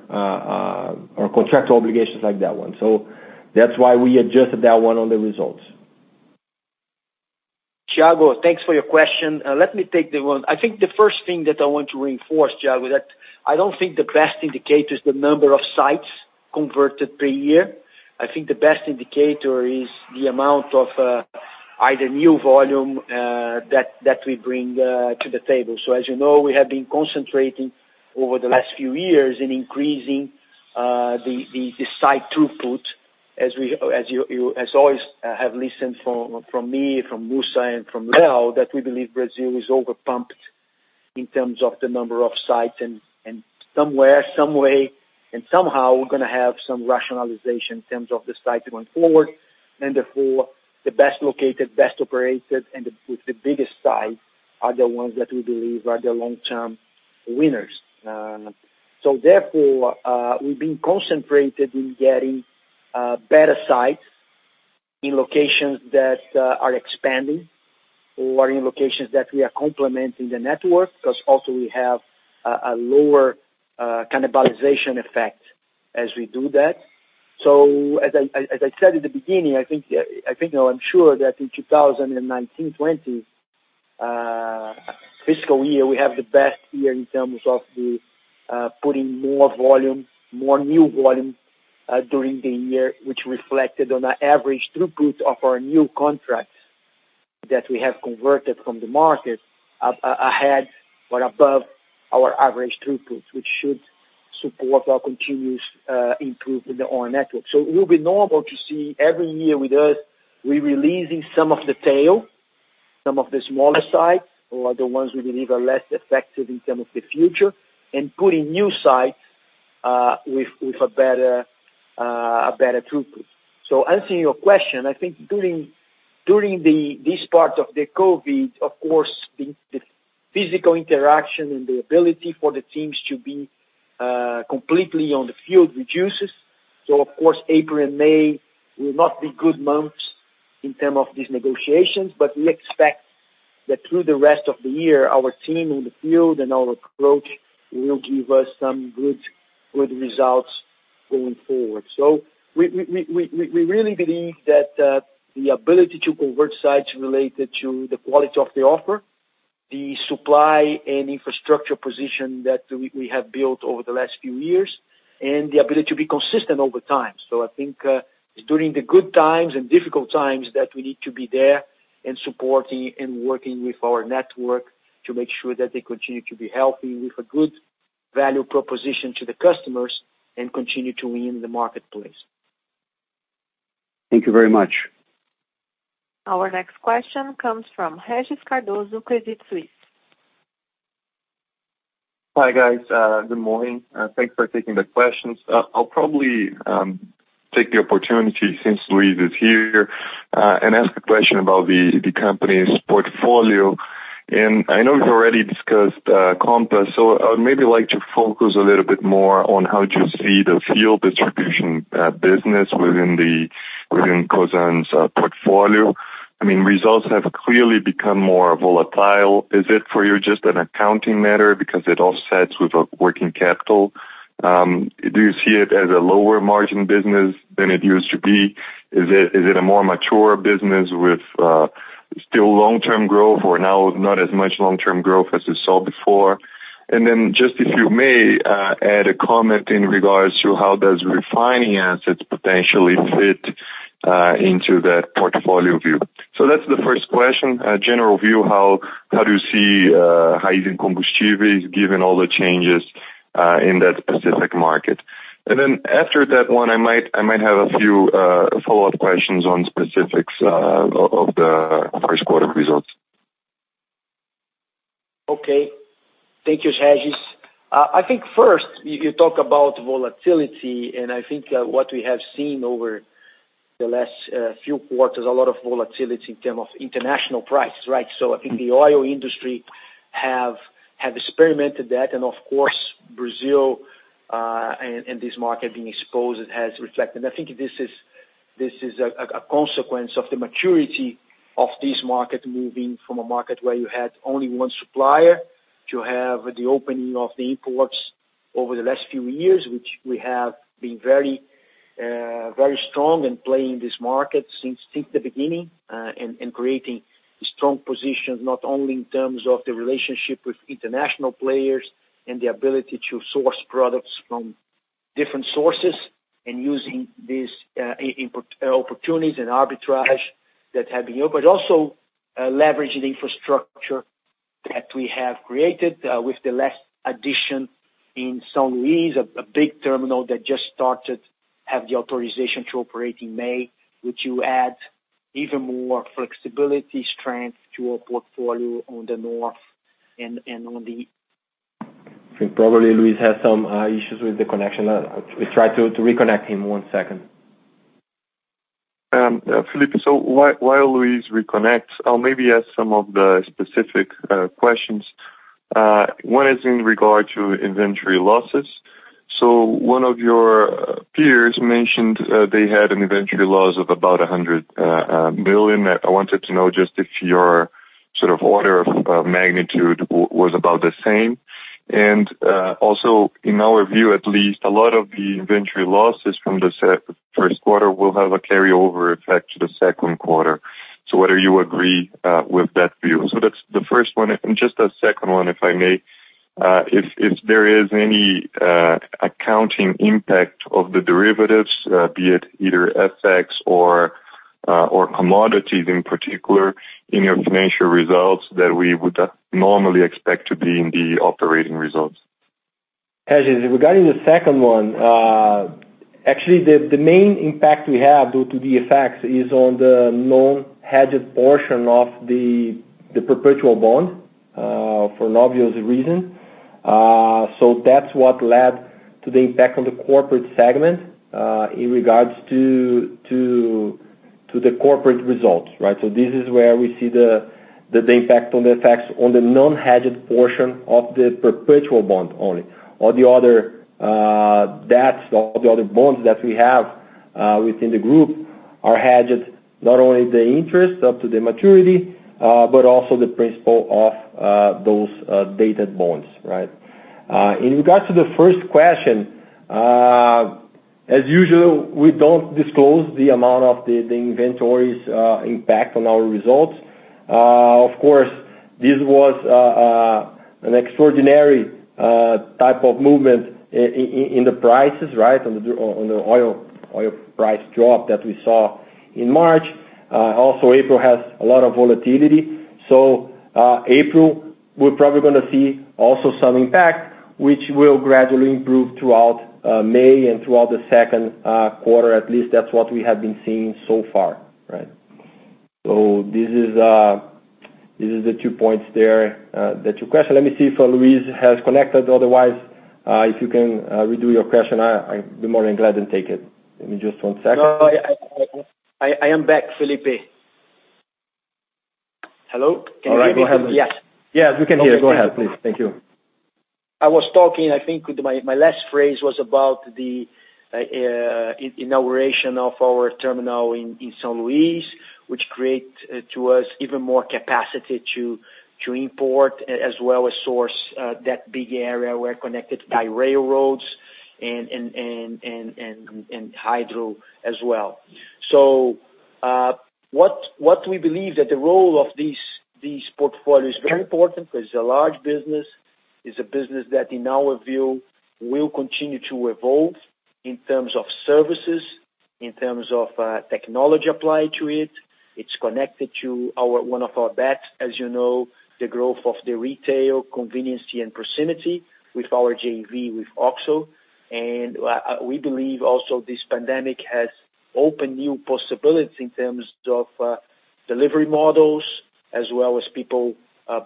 contractual obligations like that one. That's why we adjusted that one on the results. Thiago, thanks for your question. Let me take that one. I think the first thing that I want to reinforce, Thiago, that I don't think the best indicator is the number of sites converted per year. I think the best indicator is the amount of either new volume that we bring to the table. As you know, we have been concentrating over the last few years in increasing the site throughput. As always, have listened from me, from Mussa, and from Leo, that we believe Brazil is over-pumped in terms of the number of sites. Somewhere, some way, and somehow, we're going to have some rationalization in terms of the site going forward. Therefore, the best located, best operated, and with the biggest sites are the ones that we believe are the long-term winners. Therefore, we've been concentrated in getting better sites in locations that are expanding or in locations that we are complementing the network, because also we have a lower cannibalization effect as we do that. As I said in the beginning, I think now I'm sure that in 2019-2020 fiscal year, we have the best year in terms of the putting more volume, more new volume, during the year, which reflected on our average throughput of our new contracts that we have converted from the market ahead or above our average throughput, which should support our continuous improvement in our network. It will be normal to see every year with us, we're releasing some of the tail, some of the smaller sites, or the ones we believe are less effective in terms of the future, and putting new sites with a better throughput. Answering your question, I think during this part of the COVID, of course, the physical interaction and the ability for the teams to be completely on the field reduces. Of course, April and May will not be good months in terms of these negotiations, but we expect that through the rest of the year, our team in the field and our approach will give us some good results going forward. We really believe that the ability to convert sites related to the quality of the offer, the supply and infrastructure position that we have built over the last few years, and the ability to be consistent over time. I think it's during the good times and difficult times that we need to be there and supporting and working with our network to make sure that they continue to be healthy with a good value proposition to the customers and continue to win in the marketplace. Thank you very much. Our next question comes from Regis Cardoso, Credit Suisse. Hi, guys. Good morning. Thanks for taking the questions. I'll probably take the opportunity since Luis is here, ask a question about the company's portfolio. I know you've already discussed Compass, I would maybe like to focus a little bit more on how do you see the fuel distribution business within Cosan's portfolio. Results have clearly become more volatile. Is it for you just an accounting matter because it offsets with a working capital? Do you see it as a lower margin business than it used to be? Is it a more mature business with still long-term growth, or now not as much long-term growth as we saw before? Just if you may, add a comment in regards to how does refining assets potentially fit into that portfolio view. That's the first question, a general view, how do you see Raízen Combustíveis given all the changes in that specific market? After that one, I might have a few follow-up questions on specifics of the first quarter results. Okay. Thank you, Regis. You talk about volatility, what we have seen over the last few quarters, a lot of volatility in term of international prices, right? The oil industry have experimented that, of course, Brazil, and this market being exposed, it has reflected. This is a consequence of the maturity of this market moving from a market where you had only one supplier to have the opening of the imports over the last few years, which we have been very strong in playing this market since the beginning. Creating strong positions, not only in terms of the relationship with international players and the ability to source products from different sources and using these opportunities and arbitrage that have been opened. Also leveraging the infrastructure that we have created with the last addition in São Luís, a big terminal that just started, have the authorization to operate in May, which will add even more flexibility, strength to our portfolio on the north and on the. I think probably Luis has some issues with the connection. We try to reconnect him, one second. Felipe, while Luis reconnects, I'll maybe ask some of the specific questions. One is in regard to inventory losses. One of your peers mentioned they had an inventory loss of about 100 million that I wanted to know just if your sort of order of magnitude was about the same. Also, in our view, at least, a lot of the inventory losses from the first quarter will have a carryover effect to the second quarter. Whether you agree with that view? That's the first one. Just a second one, if I may. If there is any accounting impact of the derivatives, be it either FX or commodities in particular, in your financial results that we would normally expect to be in the operating results. Regis, regarding the second one, actually the main impact we have due to the effects is on the non-hedged portion of the perpetual bond, for an obvious reason. That's what led to the impact on the corporate segment, in regards to the corporate results, right? This is where we see the impact on the effects on the non-hedged portion of the perpetual bond only. All the other debts, all the other bonds that we have within the group are hedged, not only the interest up to the maturity, but also the principal of those dated bonds, right? In regard to the first question, as usual, we don't disclose the amount of the inventory's impact on our results. Of course, this was an extraordinary type of movement in the prices, right? On the oil price drop that we saw in March. April has a lot of volatility. April, we're probably going to see also some impact, which will gradually improve throughout May and throughout the second quarter. At least that's what we have been seeing so far, right? This is the two points there, the two questions. Let me see if Luis has connected. Otherwise, if you can redo your question, I'd be more than glad and take it. Give me just one second. No, I am back, Felipe. Hello? Can you hear me? All right. Go ahead, Luis. Yes. Yes, we can hear. Go ahead, please. Thank you. I was talking, I think, my last phrase was about the inauguration of our terminal in São Luís, which create to us even more capacity to import, as well as source that big area. We're connected by railroads and hydro as well. What we believe that the role of this portfolio is very important, because it's a large business. It's a business that, in our view, will continue to evolve in terms of services, in terms of technology applied to it. It's connected to one of our bets, as you know, the growth of the retail convenience and proximity with our JV, with OXXO. We believe also this pandemic has opened new possibilities in terms of delivery models as well as people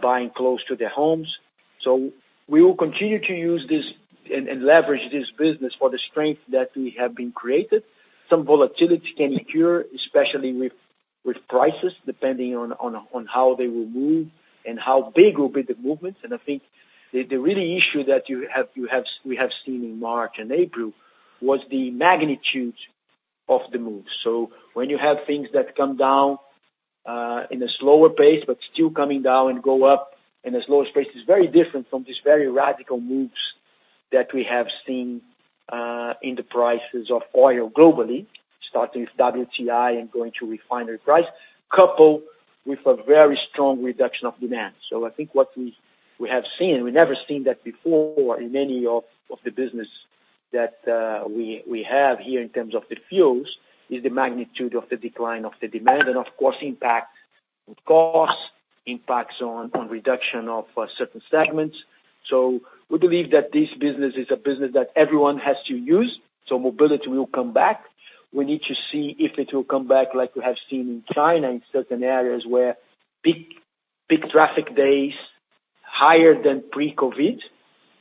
buying close to their homes. We will continue to use this and leverage this business for the strength that we have been created. Some volatility can occur, especially with prices, depending on how they will move and how big will be the movements. I think the real issue that we have seen in March and April was the magnitude of the moves. When you have things that come down in a slower pace, but still coming down and go up in a slower pace, it's very different from these very radical moves that we have seen in the prices of oil globally, starting with WTI and going to refinery price, coupled with a very strong reduction of demand. I think what we have seen, we never seen that before in any of the business that we have here in terms of the fuels, is the magnitude of the decline of the demand, and of course, impact on cost, impacts on reduction of certain segments. We believe that this business is a business that everyone has to use, so mobility will come back. We need to see if it will come back like we have seen in China, in certain areas where big traffic days higher than pre-COVID,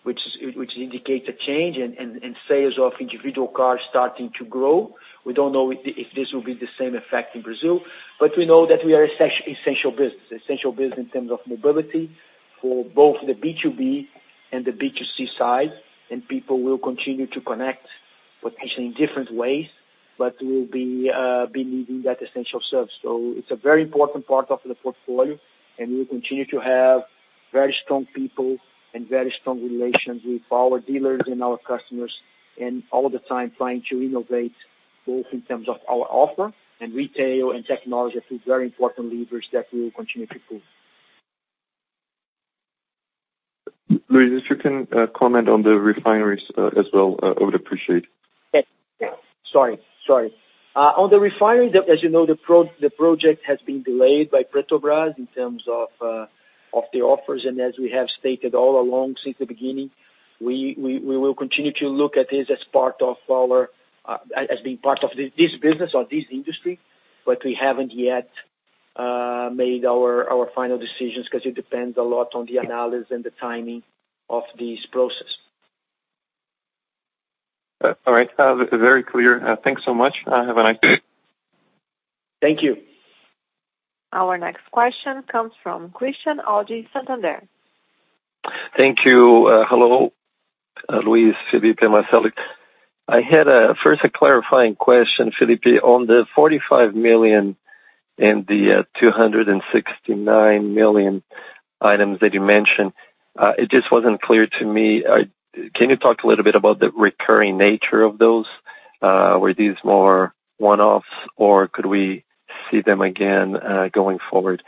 which indicates a change and sales of individual cars starting to grow. We don't know if this will be the same effect in Brazil. We know that we are essential business, essential business in terms of mobility for both the B2B and the B2C side, and people will continue to connect, potentially in different ways, but we'll be needing that essential service. It's a very important part of the portfolio, and we will continue to have very strong people and very strong relations with our dealers and our customers, and all the time trying to innovate both in terms of our offer and retail and technology. I think very important levers that we will continue to improve. Luis, if you can comment on the refineries as well, I would appreciate. Sorry. On the refinery, as you know, the project has been delayed by Petrobras in terms of. As we have stated all along since the beginning, we will continue to look at this as being part of this business or this industry. We haven't yet made our final decisions because it depends a lot on the analysis and the timing of this process. All right. This is very clear. Thanks so much. Have a nice day. Thank you. Our next question comes from Christian Audi, Santander. Thank you. Hello, Luis, Felipe, Marcelo. I had first a clarifying question, Felipe, on the $45 million and the $269 million items that you mentioned. It just wasn't clear to me. Can you talk a little bit about the recurring nature of those? Were these more one-offs or could we see them again going forward?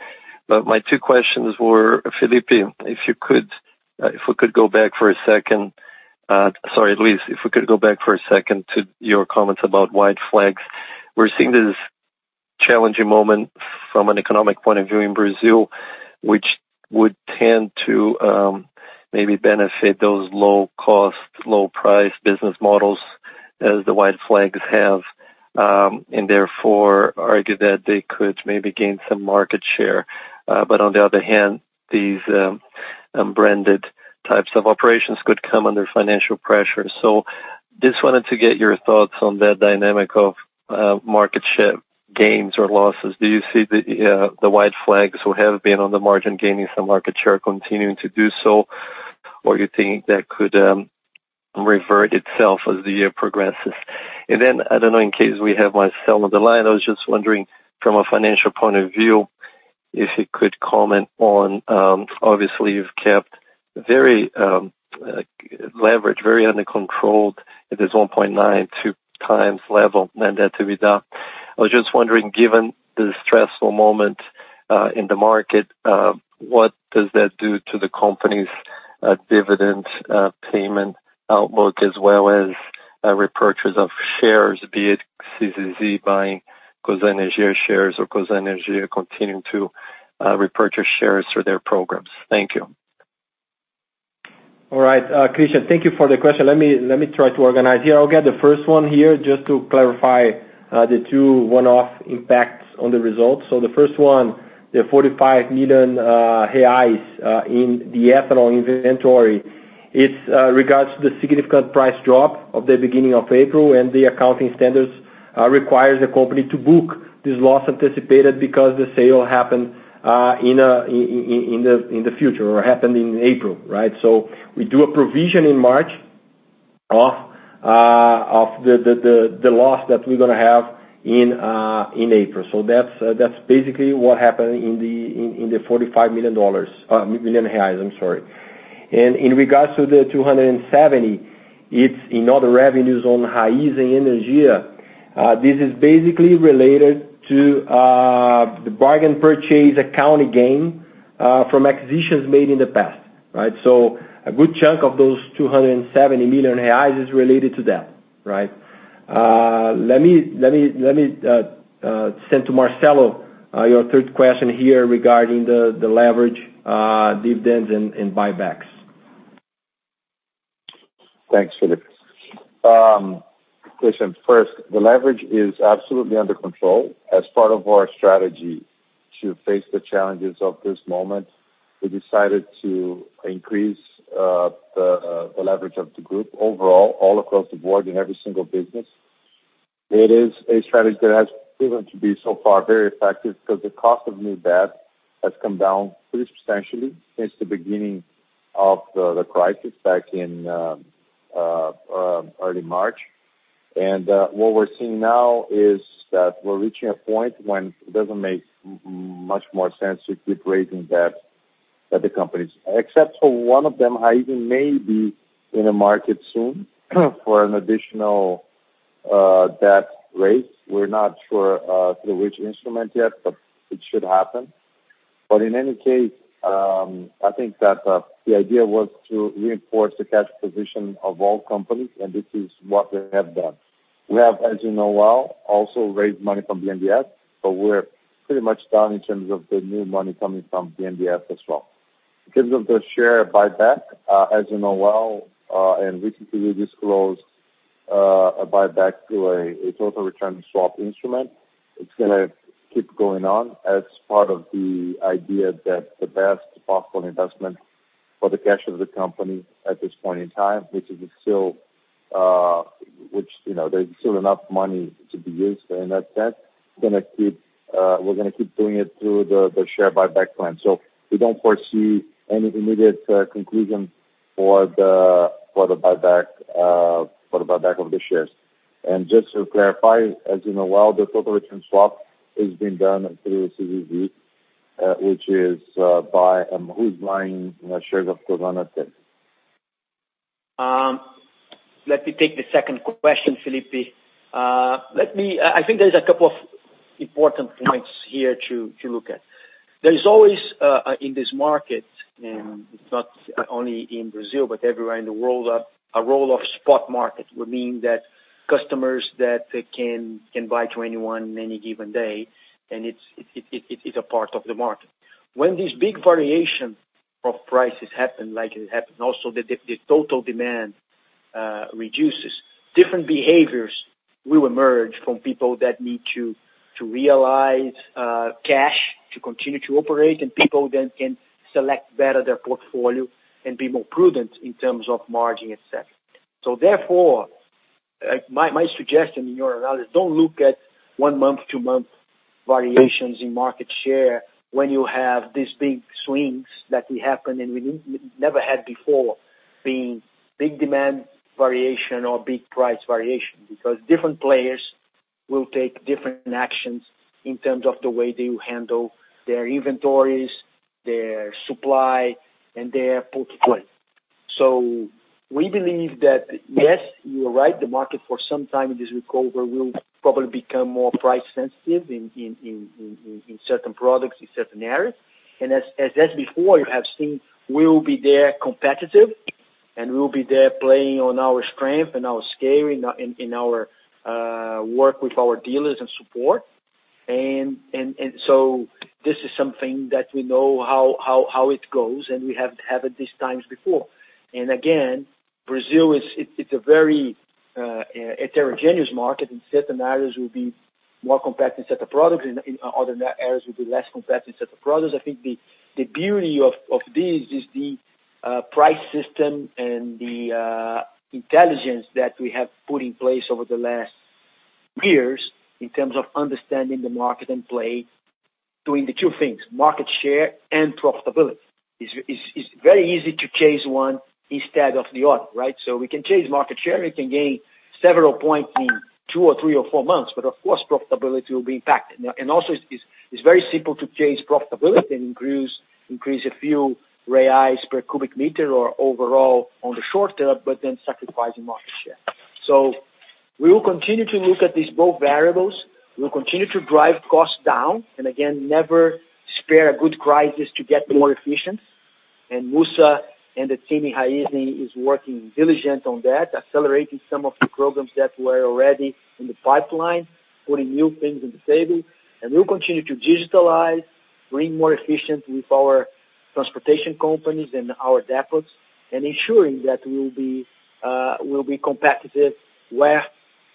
My two questions were, Felipe, if we could go back for a second, Sorry, Luis, if we could go back for a second to your comments about white flags. We're seeing this challenging moment from an economic point of view in Brazil, which would tend to maybe benefit those low-cost, low-price business models as the white flags have and therefore argue that they could maybe gain some market share. On the other hand, these unbranded types of operations could come under financial pressure. Just wanted to get your thoughts on that dynamic of market share gains or losses. Do you see the white flags who have been on the margin gaining some market share continuing to do so? You think that could revert itself as the year progresses? I don't know, in case we have Marcelo on the line, I was just wondering from a financial point of view, if he could comment on, obviously, you've kept very leverage, very under control at this 1.92x level mandate to be done. I was just wondering, given the stressful moment in the market, what does that do to the company's dividend payment outlook as well as repurchase of shares, be it CZZ buying Cosan Energia shares or Cosan Energia continuing to repurchase shares through their programs? Thank you. All right. Christian, thank you for the question. Let me try to organize here. I'll get the first one here just to clarify the two one-off impacts on the results. The first one, the 45 million reais in the ethanol inventory. It regards the significant price drop of the beginning of April, the accounting standards requires the company to book this loss anticipated because the sale happened in the future or happened in April, right? We do a provision in March of the loss that we're going to have in April. That's basically what happened in the BRL 45 million. In regards to the 270 million, it's in other revenues on Raízen Energia. This is basically related to the bargain purchase accounting gain from acquisitions made in the past, right? A good chunk of those 270 million reais is related to that. Let me send to Marcelo your third question here regarding the leverage dividends and buybacks. Thanks, Felipe. Christian, first, the leverage is absolutely under control. As part of our strategy to face the challenges of this moment, we decided to increase the leverage of the group overall, all across the board in every single business. It is a strategy that has proven to be so far very effective because the cost of new debt has come down pretty substantially since the beginning of the crisis back in early March. What we're seeing now is that we're reaching a point when it doesn't make much more sense to keep raising debt at the companies. Except for one of them, Raízen may be in a market soon for an additional debt raise. We're not sure through which instrument yet, but it should happen. In any case, I think that the idea was to reinforce the cash position of all companies, and this is what we have done. We have, as you know well, also raised money from BNDES, but we're pretty much done in terms of the new money coming from BNDES as well. In terms of the share buyback, as you know well and recently disclosed, a buyback through a total return swap instrument, it's going to keep going on as part of the idea that the best possible investment for the cash of the company at this point in time, which there's still enough money to be used and that's going to keep doing it through the share buyback plan. We don't foresee any immediate conclusion for the buyback of the shares. Just to clarify, as you know well, the total return swap is being done through CZZ, which is who's buying shares of Cosan at this. Let me take the second question, Felipe. I think there's a couple of important points here to look at. There is always in this market It's not only in Brazil, but everywhere in the world, a role of spot market, meaning that customers that can buy to anyone on any given day, and it's a part of the market. When these big variations of prices happen like it happened, also the total demand reduces. Different behaviors will emerge from people that need to realize cash to continue to operate, and people then can select better their portfolio and be more prudent in terms of margin, et cetera. Therefore, my suggestion in your analysis, don't look at one month to two month variations in market share when you have these big swings that will happen, and we never had before, being big demand variation or big price variation. Different players will take different actions in terms of the way they handle their inventories, their supply, and their portfolio. We believe that, yes, you are right, the market for some time in this recovery will probably become more price sensitive in certain products, in certain areas. As before, you have seen, we will be there competitive, and we will be there playing on our strength and our scale in our work with our dealers and support. This is something that we know how it goes, and we have had it these times before. Again, Brazil, it's a very heterogeneous market, and certain areas will be more competitive sets of products, and other areas will be less competitive set of products. I think the beauty of this is the price system and the intelligence that we have put in place over the last years in terms of understanding the market and play between the two things, market share and profitability. It's very easy to chase one instead of the other, right? We can chase market share, we can gain several points in two or three or four months, but of course, profitability will be impacted. It's very simple to chase profitability and increase a few BRL per cubic meter or overall on the short term, but then sacrificing market share. We will continue to look at these both variables. We'll continue to drive costs down, and again, never spare a good crisis to get more efficient. Mussa and the team in Raízen is working diligently on that, accelerating some of the programs that were already in the pipeline, putting new things on the table. We'll continue to digitalize, being more efficient with our transportation companies and our depots, and ensuring that we'll be competitive where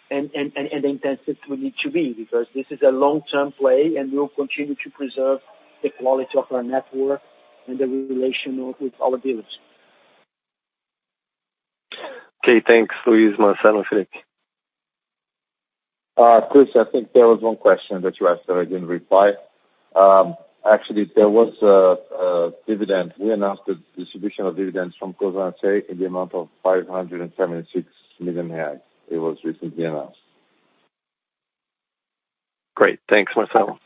and intensive we need to be, because this is a long-term play, and we'll continue to preserve the quality of our network and the relation with our dealers. Okay. Thanks, Luis. Marcel, Felipe. Chris, I think there was one question that you asked that I didn't reply. Actually, there was a dividend. We announced the distribution of dividends from Cosan S.A. in the amount of 576 million reais. It was recently announced. Great. Thanks, Marcel.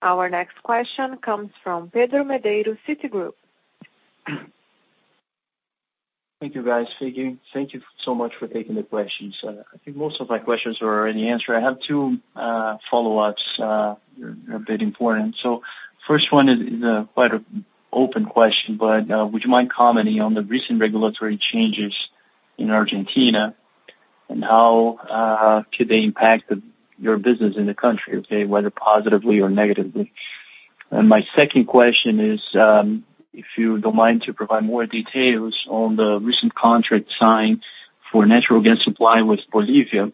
Our next question comes from Pedro Medeiros, Citigroup. Thank you, guys. Henrique, thank you so much for taking the questions. I think most of my questions were already answered. I have two follow-ups, a bit important. First one is quite an open question, but would you mind commenting on the recent regulatory changes in Argentina and how could they impact your business in the country, okay, whether positively or negatively? My second question is, if you don't mind to provide more details on the recent contract signed for natural gas supply with Bolivia.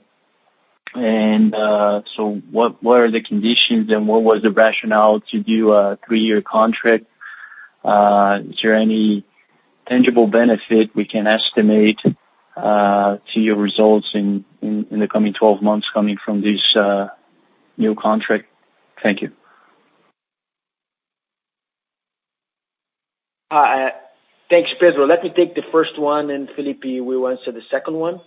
What are the conditions, and what was the rationale to do a three-year contract? Is there any tangible benefit we can estimate to your results in the coming 12 months coming from this new contract? Thank you. Thanks, Pedro. Let me take the first one, and Felipe will answer the second one.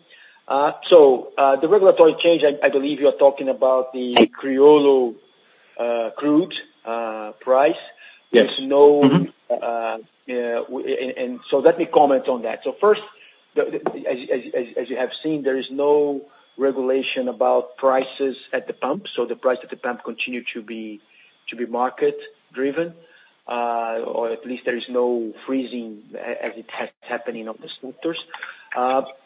The regulatory change, I believe you're talking about the Criollo crude price. Yes. Let me comment on that. First, as you have seen, there is no regulation about prices at the pump. The price at the pump continue to be market driven, at least there is no freezing.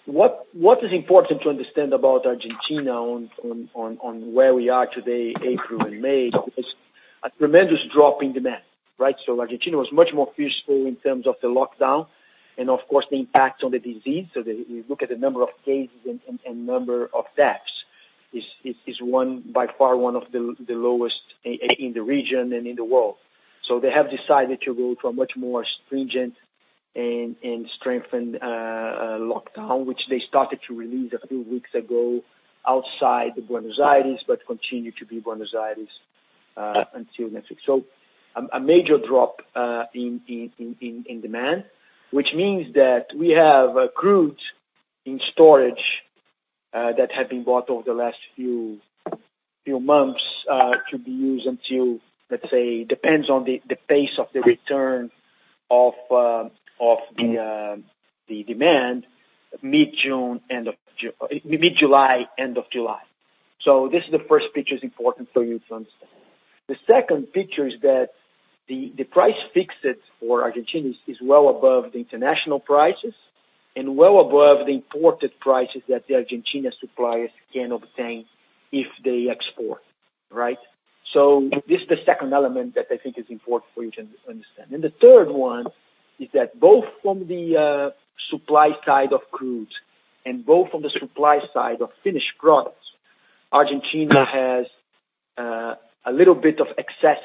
What is important to understand about Argentina on where we are today, April and May, is a tremendous drop in demand, right. Argentina was much more fierce in terms of the lockdown, and of course, the impact on the disease. You look at the number of cases and number of deaths, it's by far one of the lowest in the region and in the world. They have decided to go to a much more stringent and strengthened lockdown, which they started to release a few weeks ago outside Buenos Aires, but continue to be Buenos Aires until next week. A major drop in demand, which means that we have crude in storage, that had been bought over the last few months, to be used until, let's say, depends on the pace of the return of the demand mid-June, end of mid-July, end of July. This is the first picture that's important for you to understand. The second picture is that the price fixed for Argentina is well above the international prices and well above the imported prices that the Argentina suppliers can obtain if they export, right? This is the second element that I think is important for you to understand. The third one is that both from the supply side of crude and both from the supply side of finished products, Argentina has a little bit of excess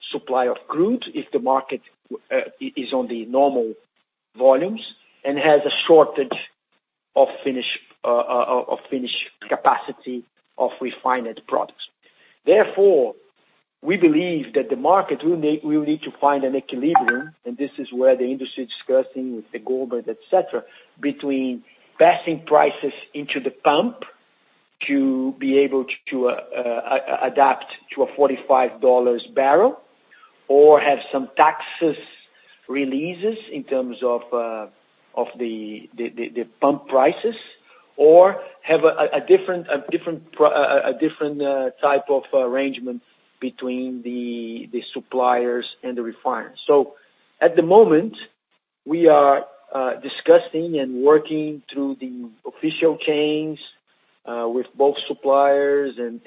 supply of crude if the market is on the normal volumes and has a shortage of finished capacity of refined products. Therefore, we believe that the market will need to find an equilibrium, and this is where the industry is discussing with the government, et cetera, between passing prices into the pump to be able to adapt to a $45 barrel or have some taxes releases in terms of the pump prices or have a different type of arrangement between the suppliers and the refiners. At the moment, we are discussing and working through the official chains, with both suppliers and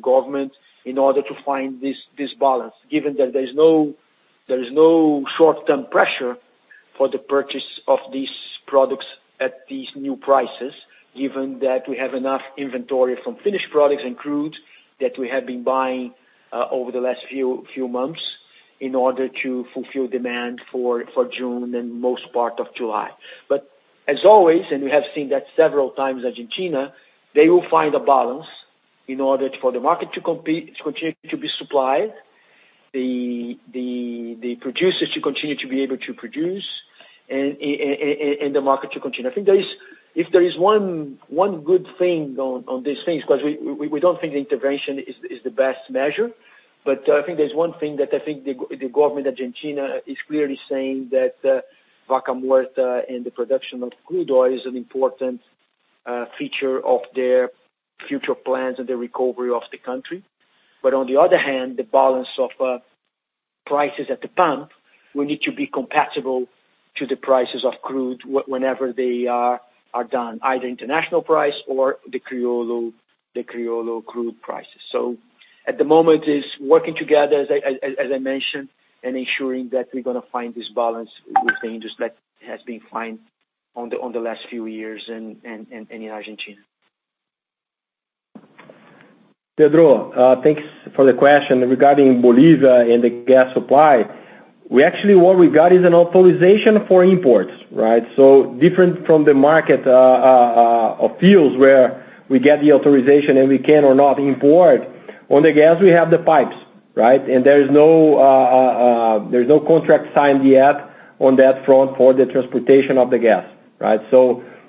Government in order to find this balance, given that there is no short-term pressure for the purchase of these products at these new prices. Given that we have enough inventory from finished products and crude that we have been buying over the last few months in order to fulfill demand for June and most part of July. As always, and we have seen that several times, Argentina, they will find a balance in order for the market to continue to be supplied, the producers to continue to be able to produce and the market to continue. I think if there is one good thing on these things, because we don't think the intervention is the best measure, I think there's one thing that I think the government Argentina is clearly saying that Vaca Muerta and the production of crude oil is an important feature of their future plans and the recovery of the country. On the other hand, the balance of prices at the pump will need to be compatible to the prices of crude whenever they are done, either international price or the Criollo crude prices. At the moment is working together, as I mentioned, and ensuring that we're going to find this balance with the industry that has been fine on the last few years and in Argentina. Pedro, thanks for the question regarding Bolivia and the gas supply. Actually, what we got is an authorization for imports, right? Different from the market of fuels where we get the authorization and we can or not import. On the gas, we have the pipes, right? There is no contract signed yet on that front for the transportation of the gas, right?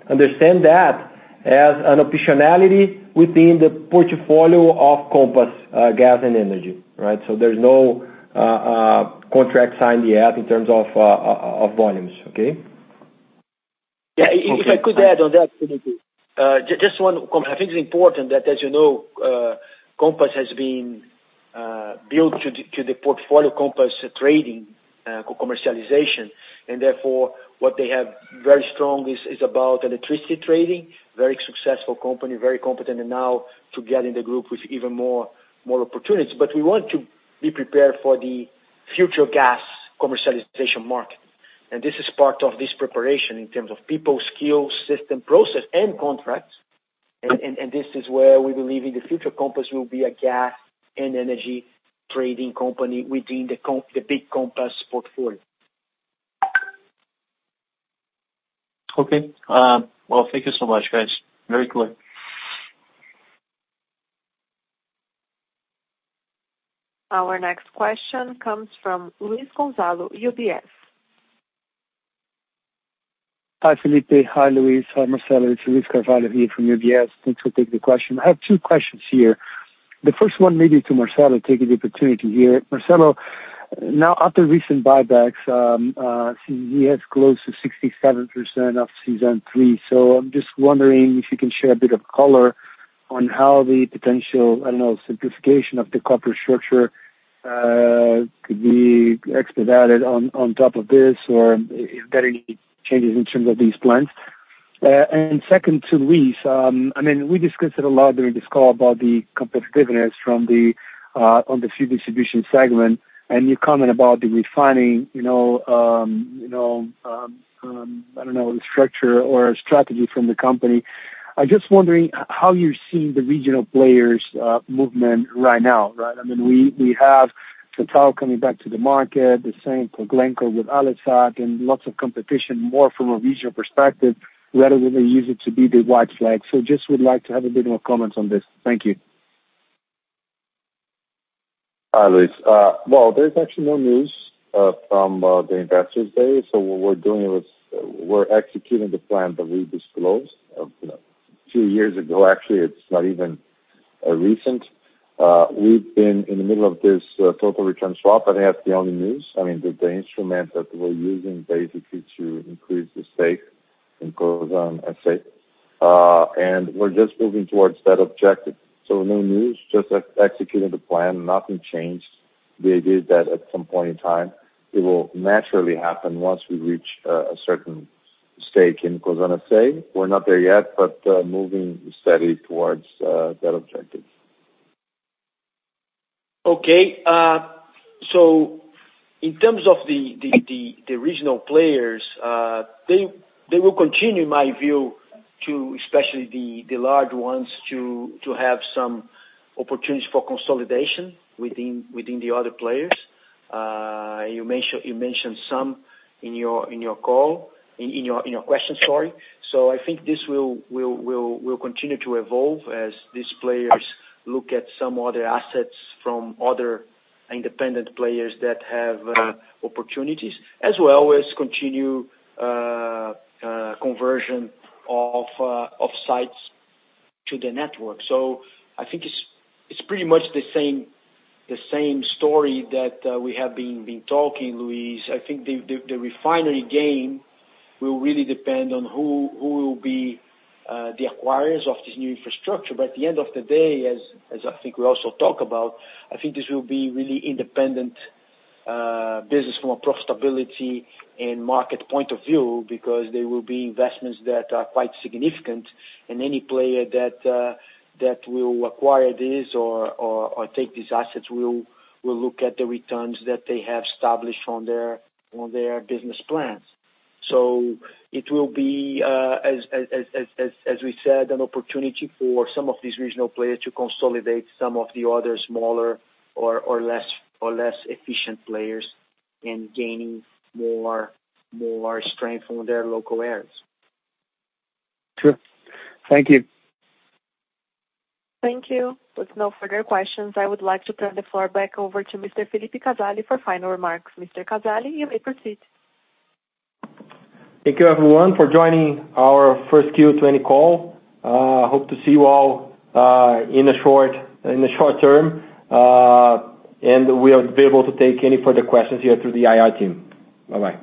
Understand that as an optionality within the portfolio of Compass Gás e Energia, right? There's no contract signed yet in terms of volumes, okay? If I could add on that, Felipe. Just one comment. I think it's important that as you know, Compass has been built to the portfolio Compass Trading commercialization, and therefore what they have very strong is about electricity trading, very successful company, very competent, and now together in the group with even more opportunities. We want to be prepared for the future gas commercialization market. This is part of this preparation in terms of people, skills, system, process, and contracts. This is where we believe in the future Compass will be a gas and energy trading company within the big Compass portfolio. Okay. Well, thank you so much, guys. Very clear. Our next question comes from Luis Carvalho, UBS. Hi, Felipe. Hi, Luis. Hi, Marcelo. It's Luiz Carvalho here from UBS. Thanks for taking the question. I have two questions here. The first one maybe to Marcelo, taking the opportunity here. Marcelo, now after recent buybacks, we have close to 67% of CSAN3. I'm just wondering if you can share a bit of color on how the potential, I don't know, simplification of the corporate structure could be expedited on top of this, or if there are any changes in terms of these plans. Second to Luis, we discussed it a lot during this call about the competitiveness on the fuel distribution segment and your comment about the refining, I don't know, the structure or strategy from the company. I'm just wondering how you're seeing the regional players' movement right now, right? We have Total coming back to the market, the same for Glencore with Alesat and lots of competition, more from a regional perspective, rather than use it to be the white flag. Just would like to have a bit more comment on this. Thank you. Hi, Luis. Well, there's actually no news from the Cosan Day. What we're doing is we're executing the plan to reduce flows of two years ago, actually. It's not even Recent. We've been in the middle of this total return swap, I think that's the only news, the instrument that we're using basically to increase the stake in Cosan S.A. We're just moving towards that objective. No news, just executing the plan. Nothing changed. The idea is that at some point in time, it will naturally happen once we reach a certain stake in Cosan S.A. We're not there yet, but moving steadily towards that objective. Okay. In terms of the regional players, they will continue, in my view, especially the large ones, to have some opportunities for consolidation within the other players. You mentioned some in your question. I think this will continue to evolve as these players look at some other assets from other independent players that have opportunities, as well as continue conversion of sites to the network. I think it's pretty much the same story that we have been talking, Luis. I think the refinery game will really depend on who will be the acquirers of this new infrastructure. At the end of the day, as I think we also talk about, I think this will be really independent business from a profitability and market point of view, because there will be investments that are quite significant and any player that will acquire this or take these assets will look at the returns that they have established on their business plans. It will be, as we said, an opportunity for some of these regional players to consolidate some of the other smaller or less efficient players in gaining more strength on their local areas. Sure. Thank you. Thank you. With no further questions, I would like to turn the floor back over to Mr. Felipe Casali for final remarks. Mr. Casali, you may proceed. Thank you everyone for joining our first Q 2020 call. Hope to see you all in the short term. We'll be able to take any further questions here through the IR team. Bye-bye.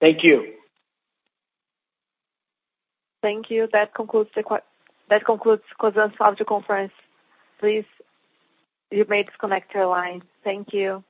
Thank you. Thank you. That concludes Cosan's virtual conference. Please, you may disconnect your line. Thank you.